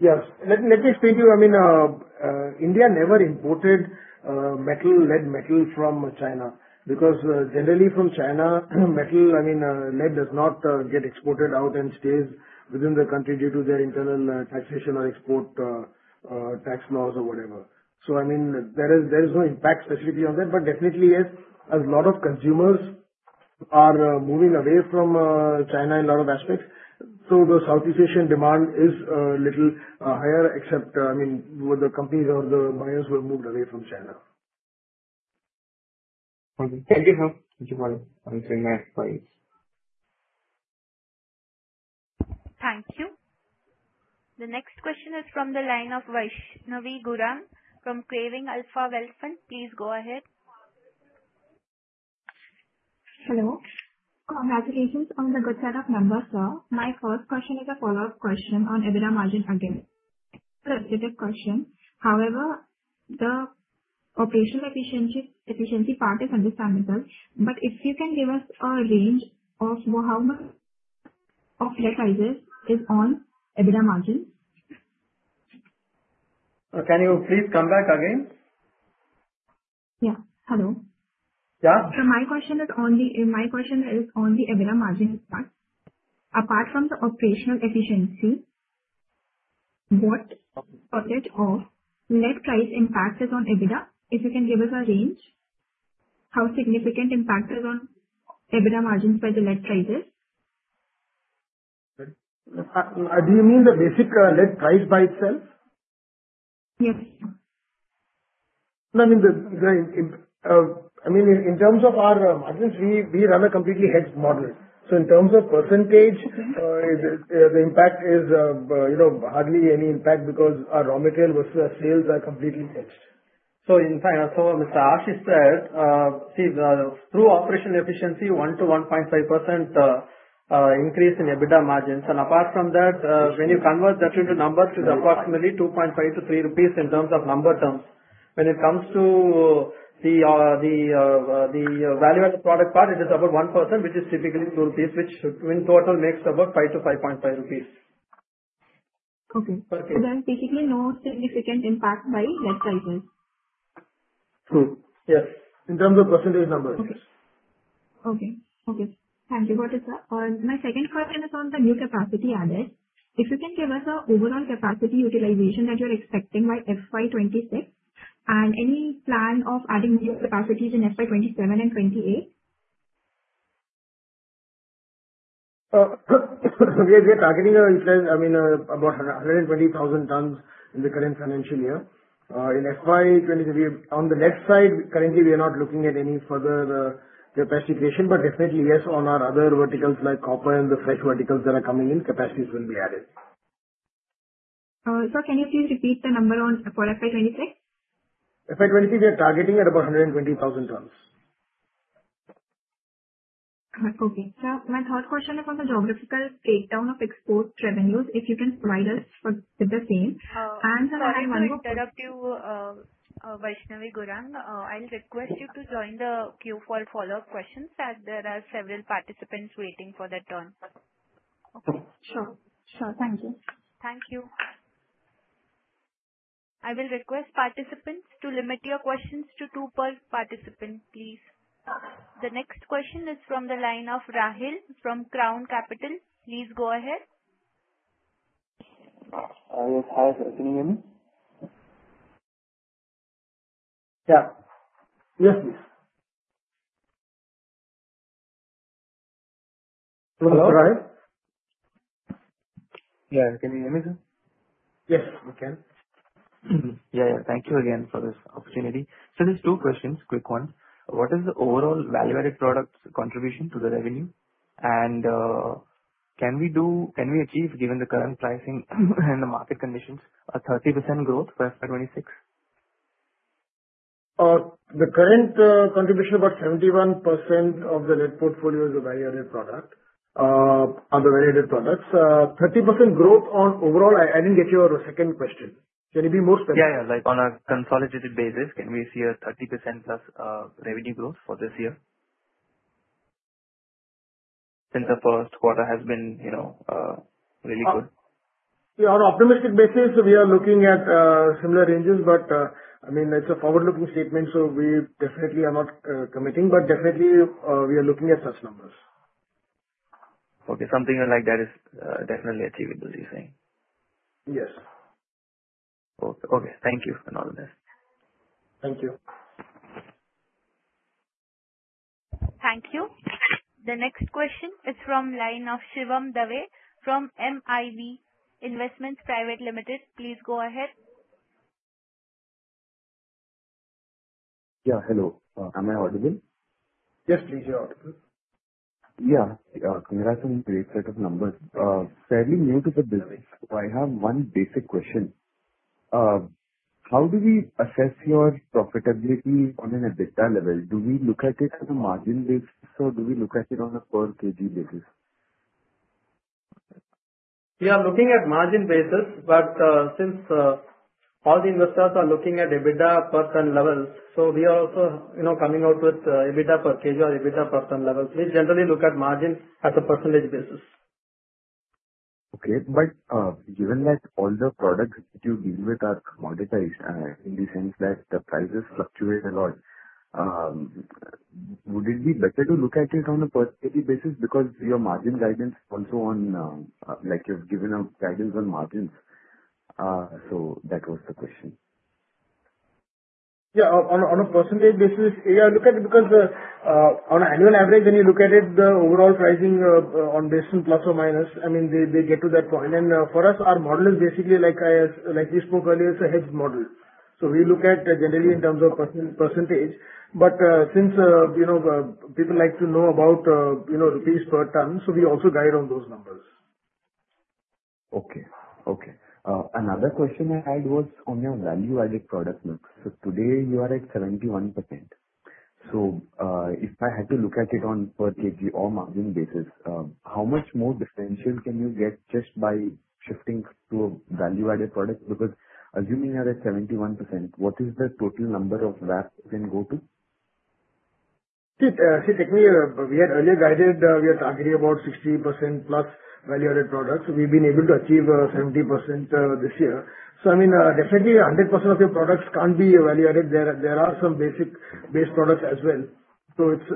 Yes. Let me explain to you. I mean, India never imported lead metal from China because generally from China, lead does not get exported out and stays within the country due to their internal taxation or export tax laws or whatever. I mean, there is no impact specifically on that. Definitely, yes, a lot of consumers are moving away from China in a lot of aspects. The Southeast Asian demand is a little higher, except, I mean, with the companies or the buyers who have moved away from China. Okay. Thank you. Thank you. The next question is from the line of Vaishnavi Gurung from Craving Alpha Wealth Fund. Please go ahead. Hello. Congratulations on the good set of numbers, sir. My first question is a follow-up question on EBITDA margin again. It's a repeated question. However, the operational efficiency part is understandable. If you can give us a range of how much of lead prices is on EBITDA margins. Can you please come back again? Yeah. Hello. Yeah. My question is on the EBITDA margins part. Apart from the operational efficiency, what percentage of lead price impact is on EBITDA? If you can give us a range, how significant impact is on EBITDA margins by the lead prices? Do you mean the basic lead price by itself? Yes. In terms of our margins, we run a completely hedged model. In terms of percentage, the impact is hardly any impact because our raw material versus our sales are completely hedged. In fact, as Ashish said, through operational efficiency, 1%-1.5% increase in EBITDA margins. Apart from that, when you convert that into numbers, it is approximately 2.5 crore-3 crore rupees in terms of number terms. When it comes to the value-added product part, it is about 1%, which is typically 2 crore rupees, which in total makes about 5 crore-5.5 crore rupees. Okay. Perfect. Basically no significant impact by lead prices. True. Yes. In terms of percentage numbers. Okay. Thank you. Got it, sir. My second question is on the new capacity added. If you can give us an overall capacity utilization that you're expecting by FY 2026, and any plan of adding new capacities in FY 2027 and FY 2028. We are targeting about 120,000 tons in the current financial year. On the lead side, currently, we are not looking at any further capacitation, but definitely, yes, on our other verticals like copper and the fresh verticals that are coming in, capacities will be added. Sir, can you please repeat the number on FY 2026? FY 2026, we are targeting at about 120,000 tons. Okay. Sir, my third question is on the geographical breakdown of export revenues, if you can provide us with the same. Sorry to interrupt you, Vaishnavi Gurung. I'll request you to join the queue for follow-up questions as there are several participants waiting for their turn. Okay. Sure. Thank you. Thank you. I will request participants to limit your questions to two per participant, please. The next question is from the line of Rahil from Crown Capital. Please go ahead. Yes, hi. Is Rahil listening in? Yeah. Yes, please. Hello, Rahil. Yeah. Can you hear me, sir? Yes, we can. Yeah. Thank you again for this opportunity. Just two questions, quick ones. What is the overall value-added products contribution to the revenue? Can we achieve, given the current pricing and the market conditions, a 30% growth by FY 2026? The current contribution of about 71% of the lead portfolio is a value-added product. 30% growth on overall, I didn't get your second question. Can you be more specific? Yeah. On a consolidated basis, can we see a 30%+ revenue growth for this year? Since the first quarter has been really good. On an optimistic basis, we are looking at similar ranges, but it's a forward-looking statement, so we definitely are not committing. Definitely, we are looking at such numbers. Okay. Something like that is definitely achievable, you're saying? Yes. Okay. Thank you. All the best. Thank you. Thank you. The next question is from line of Shivam Dave from MIB Investments Private Limited. Please go ahead. Yeah. Hello. Am I audible? Yes, please. You're audible. Yeah. Congrats on a great set of numbers. Fairly new to the business. I have one basic question. How do we assess your profitability on an EBITDA level? Do we look at it on a margin basis, or do we look at it on a per kg basis? We are looking at margin basis. Since all the investors are looking at EBITDA per ton levels, we are also coming out with EBITDA per kg or EBITDA per ton level. We generally look at margin at a percentage basis. Okay. Given that all the products that you deal with are commoditized, in the sense that the prices fluctuate a lot, would it be better to look at it on a percentage basis because your margin guidance also like you've given out guidance on margins. That was the question. Yeah. On a percentage basis, look at it because on an annual average, when you look at it, the overall pricing on basis ±, they get to that point. For us, our model is basically like we spoke earlier, it's a hedged model. We look at generally in terms of percentage. Since people like to know about rupees per ton, we also guide on those numbers. Okay. Another question I had was on your value-added product mix. Today you are at 71%. If I had to look at it on per kg or margin basis, how much more differential can you get just by shifting to a value-added product? Assuming you're at 71%, what is the total number of VAP you can go to? Technically, we had earlier guided, we are targeting about 60%+ value-added products. We've been able to achieve 70% this year. Definitely 100% of the products can't be value-added. There are some base products as well.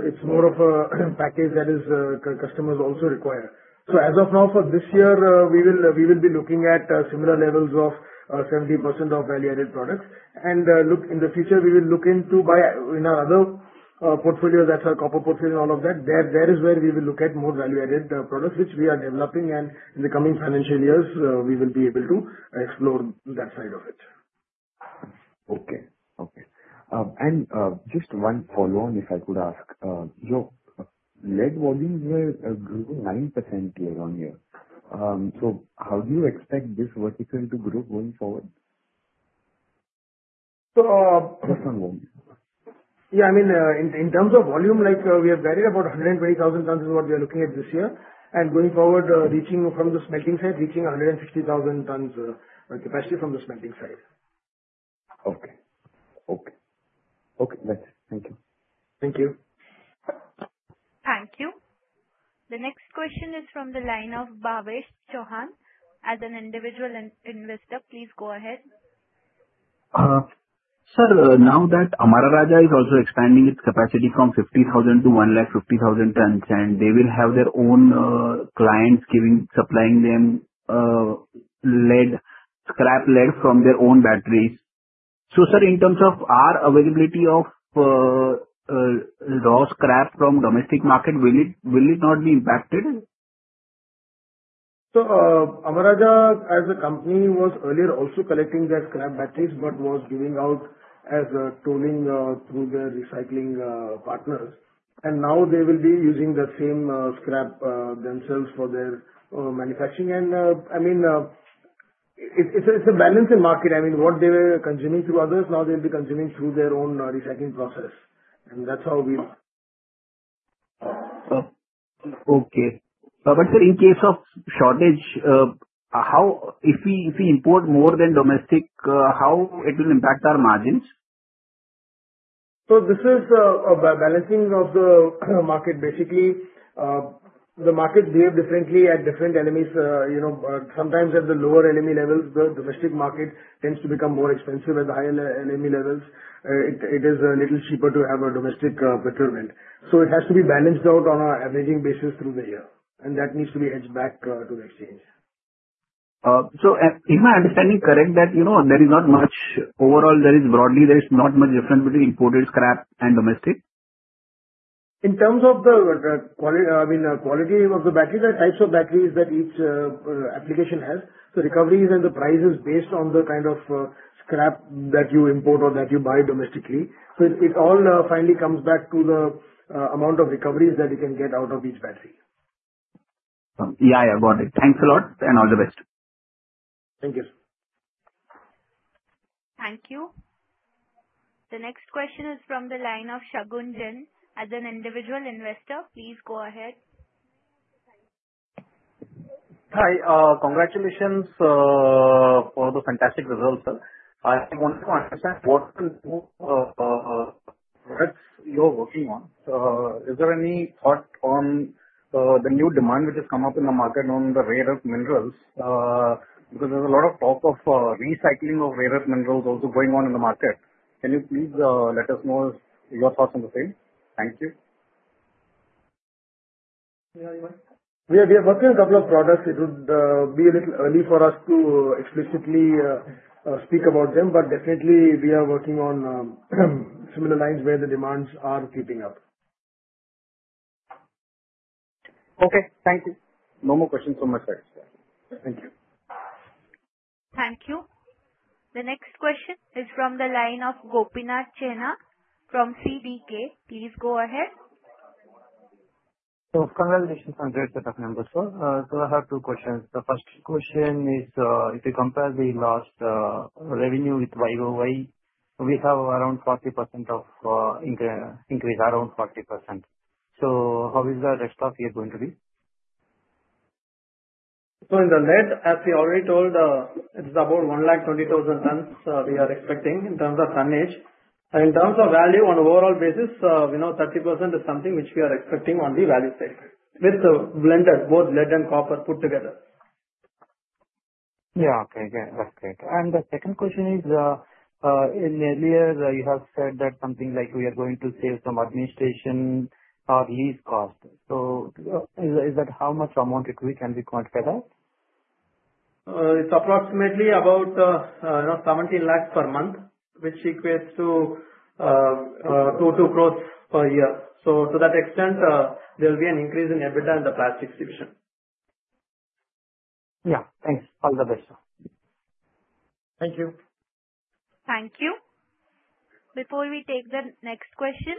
It's more of a package that customers also require. As of now, for this year, we will be looking at similar levels of 70% of value-added products. In the future, we will look into buying in our other portfolios, that's our copper portfolio and all of that, there is where we will look at more value-added products, which we are developing, and in the coming financial years, we will be able to explore that side of it. Okay. Just one follow-on, if I could ask. Your lead volumes were growing 9% year-on-year. How do you expect this vertical to grow going forward? So- Just on volume. Yeah, in terms of volume, we have guided about 120,000 tons is what we are looking at this year, and going forward, from the smelting side, reaching 150,000 tons capacity from the smelting side. Okay. Thanks. Thank you. Thank you. Thank you. The next question is from the line of Bhavesh Chauhan as an individual investor. Please go ahead. Sir, now that Amara Raja is also expanding its capacity from 50,000 to 150,000 tons, they will have their own clients supplying them scrap lead from their own batteries. Sir, in terms of our availability of raw scrap from domestic market, will it not be impacted? Amara Raja as a company was earlier also collecting their scrap batteries, but was giving out as a tolling through their recycling partners. Now they will be using the same scrap themselves for their manufacturing. It's a balancing market. What they were consuming through others, now they'll be consuming through their own recycling process. That's how we are. Okay. Sir, in case of shortage, if we import more than domestic, how it will impact our margins? This is a balancing of the market basically. The market behave differently at different LME. Sometimes at the lower LME levels, the domestic market tends to become more expensive. At the higher LME levels, it is a little cheaper to have a domestic procurement. It has to be balanced out on an averaging basis through the year, and that needs to be hedged back to the exchange. Is my understanding correct that overall, broadly, there is not much difference between imported scrap and domestic? In terms of the quality of the battery, the types of batteries that each application has, so recoveries and the price is based on the kind of scrap that you import or that you buy domestically. It all finally comes back to the amount of recoveries that you can get out of each battery. Yeah, I got it. Thanks a lot, and all the best. Thank you. Thank you. The next question is from the line of Shagun Jain. As an individual investor, please go ahead. Hi. Congratulations for the fantastic results, sir. I wanted to understand what new products you're working on. Is there any thought on the new demand which has come up in the market on the rare earth minerals? There's a lot of talk of recycling of rare earth minerals also going on in the market. Can you please let us know your thoughts on the same? Thank you. Yeah. We are working on couple of products. It would be a little early for us to explicitly speak about them, but definitely we are working on similar lines where the demands are creeping up. Okay. Thank you. No more questions from my side, sir. Thank you. Thank you. The next question is from the line of Gopinath Chenna from CBK. Please go ahead. Congratulations on great set of numbers, sir. I have two questions. The first question is, if you compare the last revenue with year-over-year, we have around 40% of increase. How is the rest of year going to be? In the lead, as we already told, it is about 120,000 tons we are expecting in terms of tonnage. In terms of value on overall basis, 30% is something which we are expecting on the value side. With a blender, both lead and copper put together. Yeah, okay. That's great. The second question is, in earlier you have said that something like we are going to save some administration or lease cost. Is that how much amount we can consider? It's approximately about 17 lakhs crore per month, which equates to 2 crores per year. To that extent, there will be an increase in EBITDA in the plastics division. Yeah. Thanks. All the best, sir. Thank you. Thank you. Before we take the next question,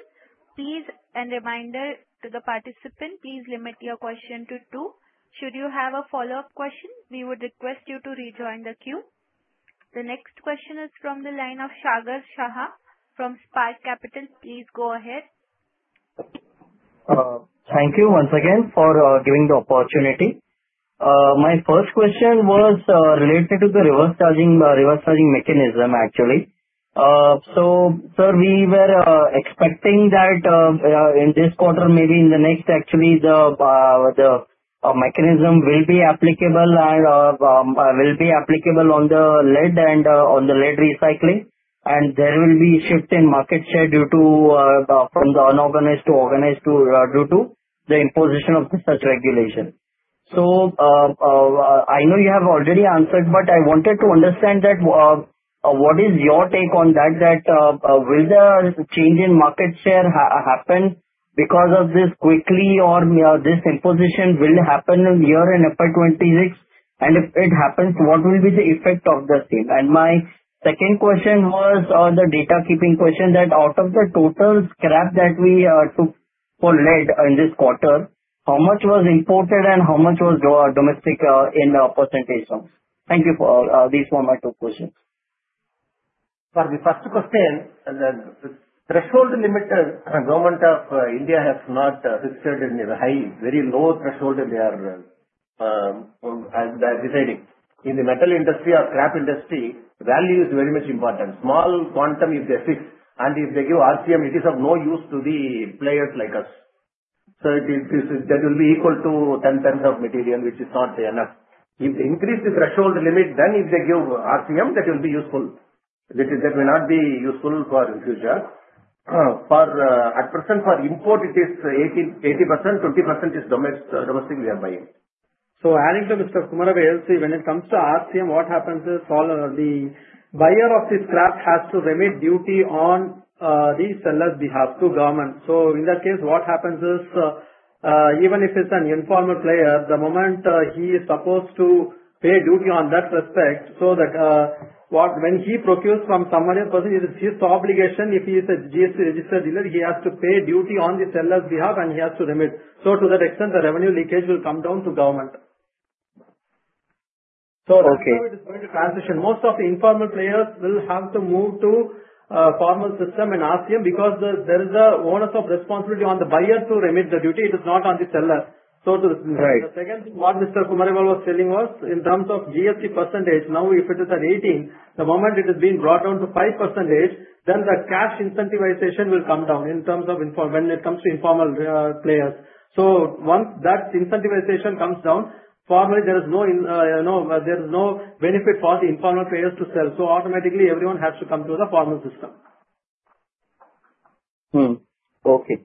please, a reminder to the participant, please limit your question to two. Should you have a follow-up question, we would request you to rejoin the queue. The next question is from the line of Sagar Shah from Spark Capital. Please go ahead. Thank you once again for giving the opportunity. My first question was related to the reverse charging mechanism, actually. Sir, we were expecting that in this quarter, maybe in the next actually, the mechanism will be applicable on the lead and on the lead recycling, and there will be shift in market share due to from the unorganized to organized due to the imposition of such regulation. I know you have already answered, but I wanted to understand that what is your take on that, will the change in market share happen because of this quickly or this imposition will happen in year end FY 2026? And if it happens, what will be the effect of the same? My second question was on the data keeping question, that out of the total scrap that we took for lead in this quarter, how much was imported and how much was domestic in percentage terms? Thank you. These were my two questions. For the first question, the threshold limit, Government of India has not fixed any high, very low threshold they are deciding. In the metal industry or scrap industry, value is very much important. Small quantum if they fix and if they give RCM, it is of no use to the players like us. That will be equal to 10 tons of material, which is not enough. If they increase the threshold limit, then if they give RCM, that will be useful. That will not be useful for future. At present, for import it is 80%. 20% is domestic we are buying. Adding to Mr. Kumaravel, when it comes to RCM, what happens is the buyer of the scrap has to remit duty on the seller's behalf to government. In that case, what happens is, even if it's an informal player, the moment he is supposed to pay duty on that respect, so that when he procures from some other person, it is his obligation, if he is a GST registered dealer, he has to pay duty on the seller's behalf and he has to remit. To that extent, the revenue leakage will come down to government. Okay. That's how it is going to transition. Most of the informal players will have to move to formal system and RCM because there is an onus of responsibility on the buyer to remit the duty. It is not on the seller. Right. The second, what Mr. Kumara was telling was, in terms of GST percentage, now if it is at 18%, the moment it is being brought down to 5%, then the cash incentivization will come down when it comes to informal players. Once that incentivization comes down, there is no benefit for the informal players to sell, so automatically everyone has to come to the formal system. Okay.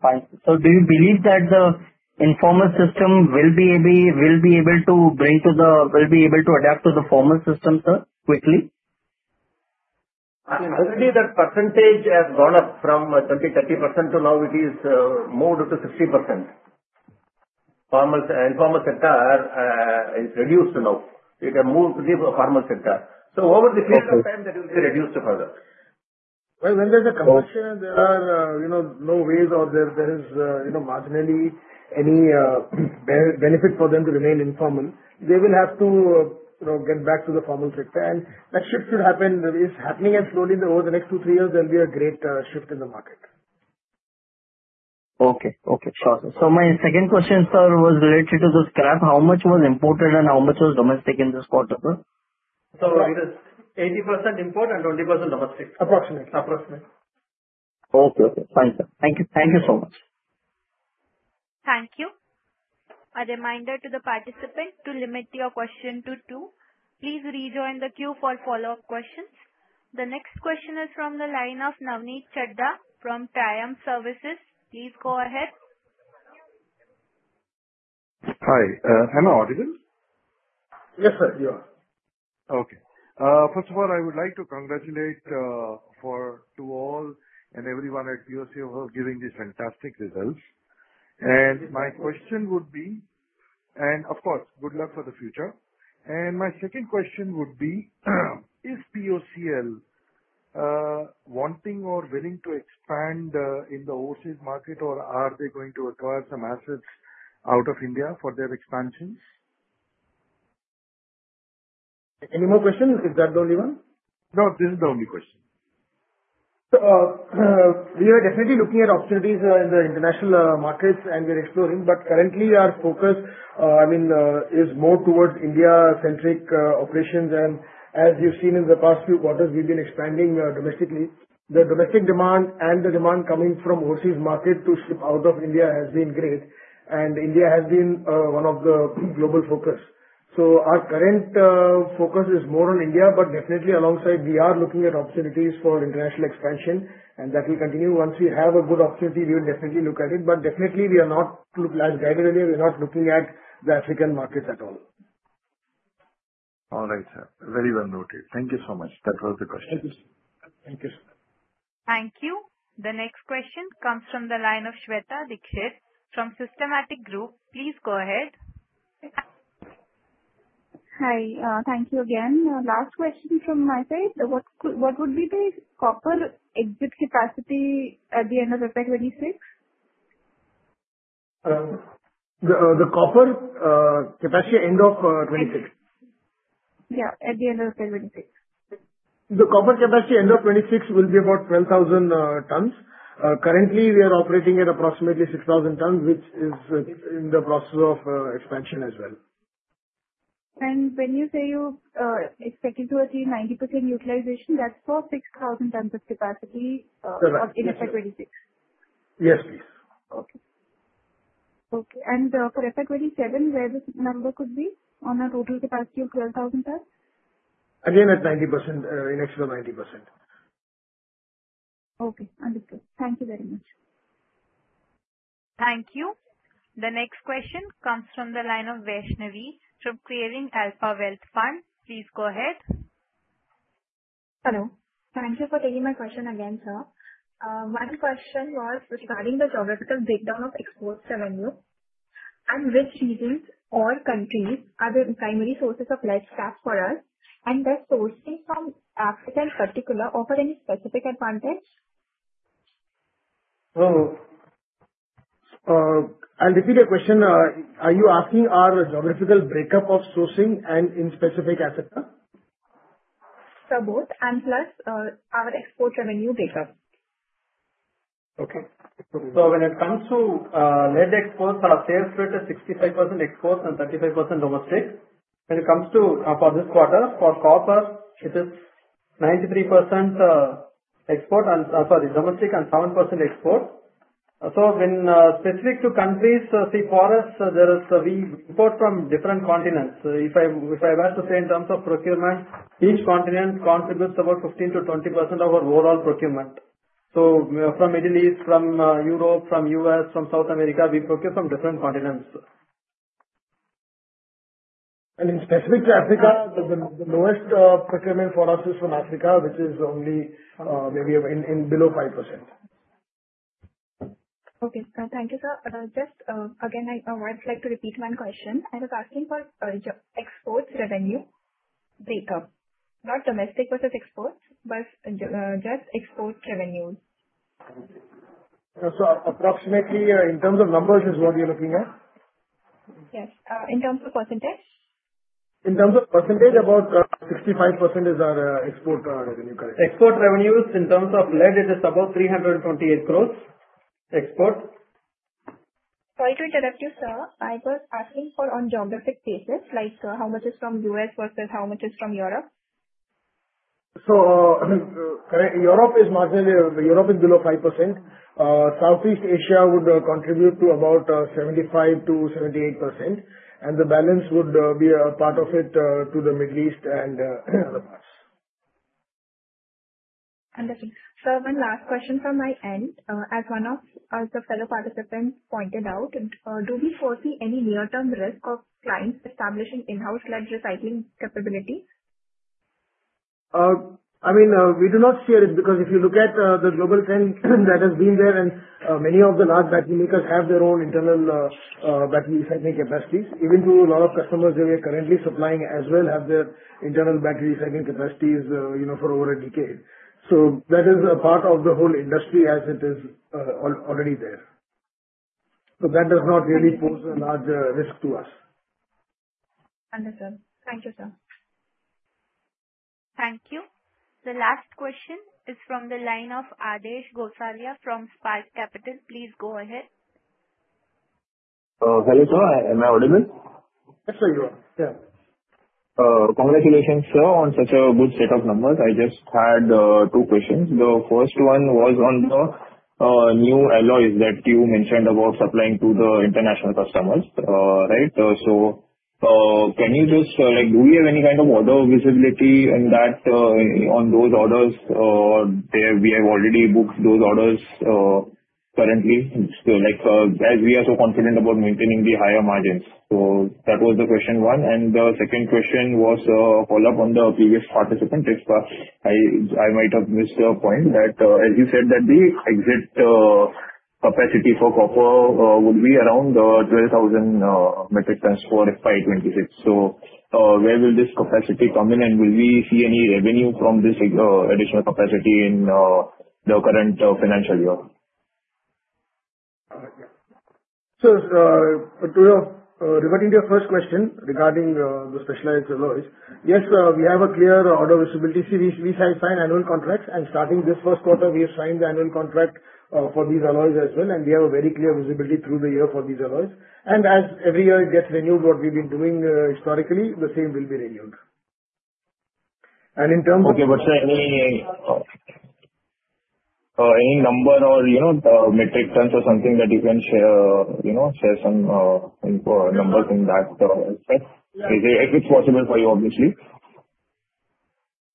Fine. Do you believe that the informal system will be able to adapt to the formal system, sir, quickly? Already that percentage has gone up from 20%-30% to now it is more than 60%. Informal sector is reduced now. It has moved to the formal sector. Over the period of time, that will be reduced further. When there is a compression, there are no ways or there is marginally any benefit for them to remain informal. They will have to get back to the formal sector, and that shift should happen. It's happening slowly. Over the next two, three years, there will be a great shift in the market. Okay. Sure. My second question, sir, was related to the scrap. How much was imported and how much was domestic in this quarter, sir? It is 80% import and 20% domestic. Approximate. Approximate. Okay. Fine, sir. Thank you so much. Thank you. A reminder to the participant to limit your question to two. Please rejoin the queue for follow-up questions. The next question is from the line of Navneet Chadha from Triumph Services. Please go ahead. Hi. Am I audible? Yes, sir. You are. Okay. First of all, I would like to congratulate to all and everyone at POCL for giving these fantastic results. Of course, good luck for the future. My second question would be, is POCL wanting or willing to expand in the overseas market, or are they going to acquire some assets out of India for their expansions? Any more questions? Is that the only one? No, this is the only question. We are definitely looking at opportunities in the international markets, and we are exploring, but currently our focus is more towards India-centric operations. As you've seen in the past few quarters, we've been expanding domestically. The domestic demand and the demand coming from overseas market to ship out of India has been great, and India has been one of the global focus. Our current focus is more on India, but definitely alongside, we are looking at opportunities for international expansion, and that will continue. Once we have a good opportunity, we'll definitely look at it. Definitely we are not looking at the African market at all. All right, sir. Very well noted. Thank you so much. That was the question. Thank you, sir. Thank you. The next question comes from the line of Shweta Dikshit from Systematix Group. Please go ahead. Hi. Thank you again. Last question from my side. What would be the copper exit capacity at the end of FY 2026? The copper capacity end of 2026? Yeah, at the end of FY 2026. The copper capacity end of 2026 will be about 12,000 tons. Currently, we are operating at approximately 6,000 tons, which is in the process of expansion as well. When you say you're expecting to achieve 90% utilization, that's for 6,000 tons of capacity. Correct. In FY 2026? Yes, please. Okay. For FY 2027, where this number could be on a total capacity of 12,000 tons? Again, at 90%, in excess of 90%. Okay. Understood. Thank you very much. Thank you. The next question comes from the line of Vaishnavi from Craving Alpha Wealth Fund. Please go ahead. Hello. Thank you for taking my question again, sir. My question was regarding the geographical breakdown of export revenue, and which regions or countries are the primary sources of lead scrap for us, and does sourcing from Africa in particular offer any specific advantage? I'll repeat your question. Are you asking our geographical breakup of sourcing and in specific Africa? Sir, both, and plus our export revenue breakup. Okay. When it comes to lead exports, our sales split is 65% exports and 35% domestic. When it comes to for this quarter, for copper, it is 93% domestic and 7% export. When specific to countries, see, for us, we import from different continents. If I were to say in terms of procurement, each continent contributes about 15%-20% of our overall procurement. From Middle East, from Europe, from U.S., from South America, we procure from different continents. In specific to Africa, the lowest procurement for us is from Africa, which is only below 5%. Okay. Thank you, sir. Just again, I would like to repeat my question. I was asking for export revenue breakup. Not domestic versus exports, but just export revenues. Approximately, in terms of numbers, is what you're looking at? Yes. In terms of percentage. In terms of percentage, about 65% is our export revenue. Correct. Export revenues, in terms of lead, it is about 328 crores. Export. Sorry to interrupt you, sir. I was asking for on geographic basis, like how much is from U.S. versus how much is from Europe. Europe is below 5%. Southeast Asia would contribute to about 75%-78%, and the balance would be a part of it to the Middle East and other parts. Understood. Sir, one last question from my end. As one of the fellow participants pointed out, do we foresee any near-term risk of clients establishing in-house lead recycling capability? We do not see it because if you look at the global trend that has been there, many of the large battery makers have their own internal battery recycling capacities. Even to a lot of customers we are currently supplying as well have their internal battery recycling capacities for over a decade. That is a part of the whole industry as it is already there. That does not really pose a large risk to us. Understood. Thank you, sir. Thank you. The last question is from the line of Aadesh Gosalia from Spark Capital. Please go ahead. Hello, sir. Am I audible? Yes, very well. Yeah. Congratulations, sir, on such a good set of numbers. I just had two questions. The first one was on the new alloys that you mentioned about supplying to the international customers. Do we have any kind of order visibility on those orders? We have already booked those orders currently. Like, guys, we are so confident about maintaining the higher margins. That was the question one. The second question was a follow-up on the previous participant. If I might have missed your point that, as you said that the exit capacity for copper would be around 12,000 metric tons for FY 2026. Where will this capacity come in, and will we see any revenue from this additional capacity in the current financial year? Regarding your first question regarding the specialized alloys. Yes, we have a clear order visibility. See, we sign annual contracts, and starting this first quarter, we have signed the annual contract for these alloys as well, and we have a very clear visibility through the year for these alloys. As every year it gets renewed, what we've been doing historically, the same will be renewed. Okay. Sir, any number or metric tons or something that you can share some info or numbers in that aspect? If it's possible for you, obviously.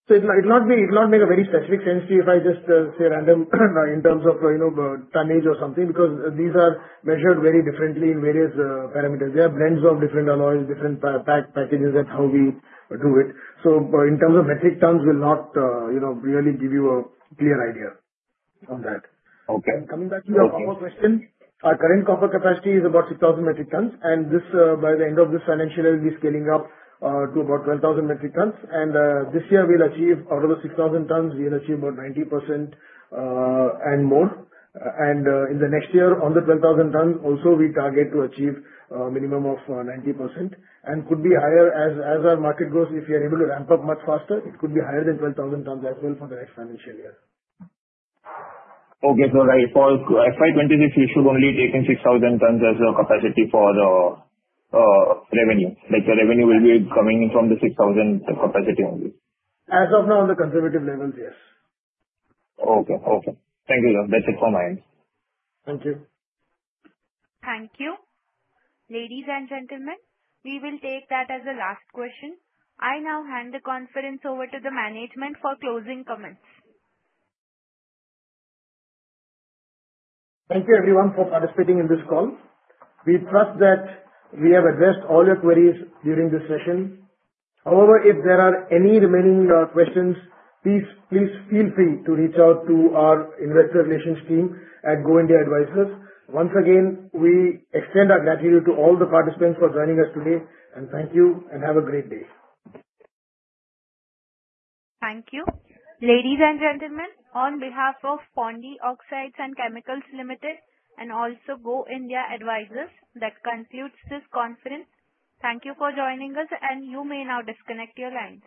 It'll not make a very specific sense to you if I just say random in terms of tonnage or something, because these are measured very differently in various parameters. They are blends of different alloys, different packages, and how we do it. In terms of metric, tons will not really give you a clear idea on that. Okay. Coming back to your copper question, our current copper capacity is about 6,000 metric tons, and by the end of this financial, we'll be scaling up to about 12,000 metric tons. This year we'll achieve out of the 6,000 tons, we'll achieve about 90% and more. In the next year, on the 12,000 tons also we target to achieve a minimum of 90% and could be higher as our market grows, if we are able to ramp up much faster, it could be higher than 12,000 tons as well for the next financial year. Okay. For FY 2026, you should only taken 6,000 tons as your capacity for the revenue. Like your revenue will be coming in from the 6,000 capacity only. As of now, on the conservative levels, yes. Okay. Thank you. That's it from my end. Thank you. Thank you. Ladies and gentlemen, we will take that as the last question. I now hand the conference over to the management for closing comments. Thank you everyone for participating in this call. We trust that we have addressed all your queries during this session. However, if there are any remaining questions, please feel free to reach out to our investor relations team at Go India Advisors. Once again, we extend our gratitude to all the participants for joining us today and thank you and have a great day. Thank you. Ladies and gentlemen, on behalf of Pondy Oxides and Chemicals Limited and also Go India Advisors, that concludes this conference. Thank you for joining us and you may now disconnect your lines.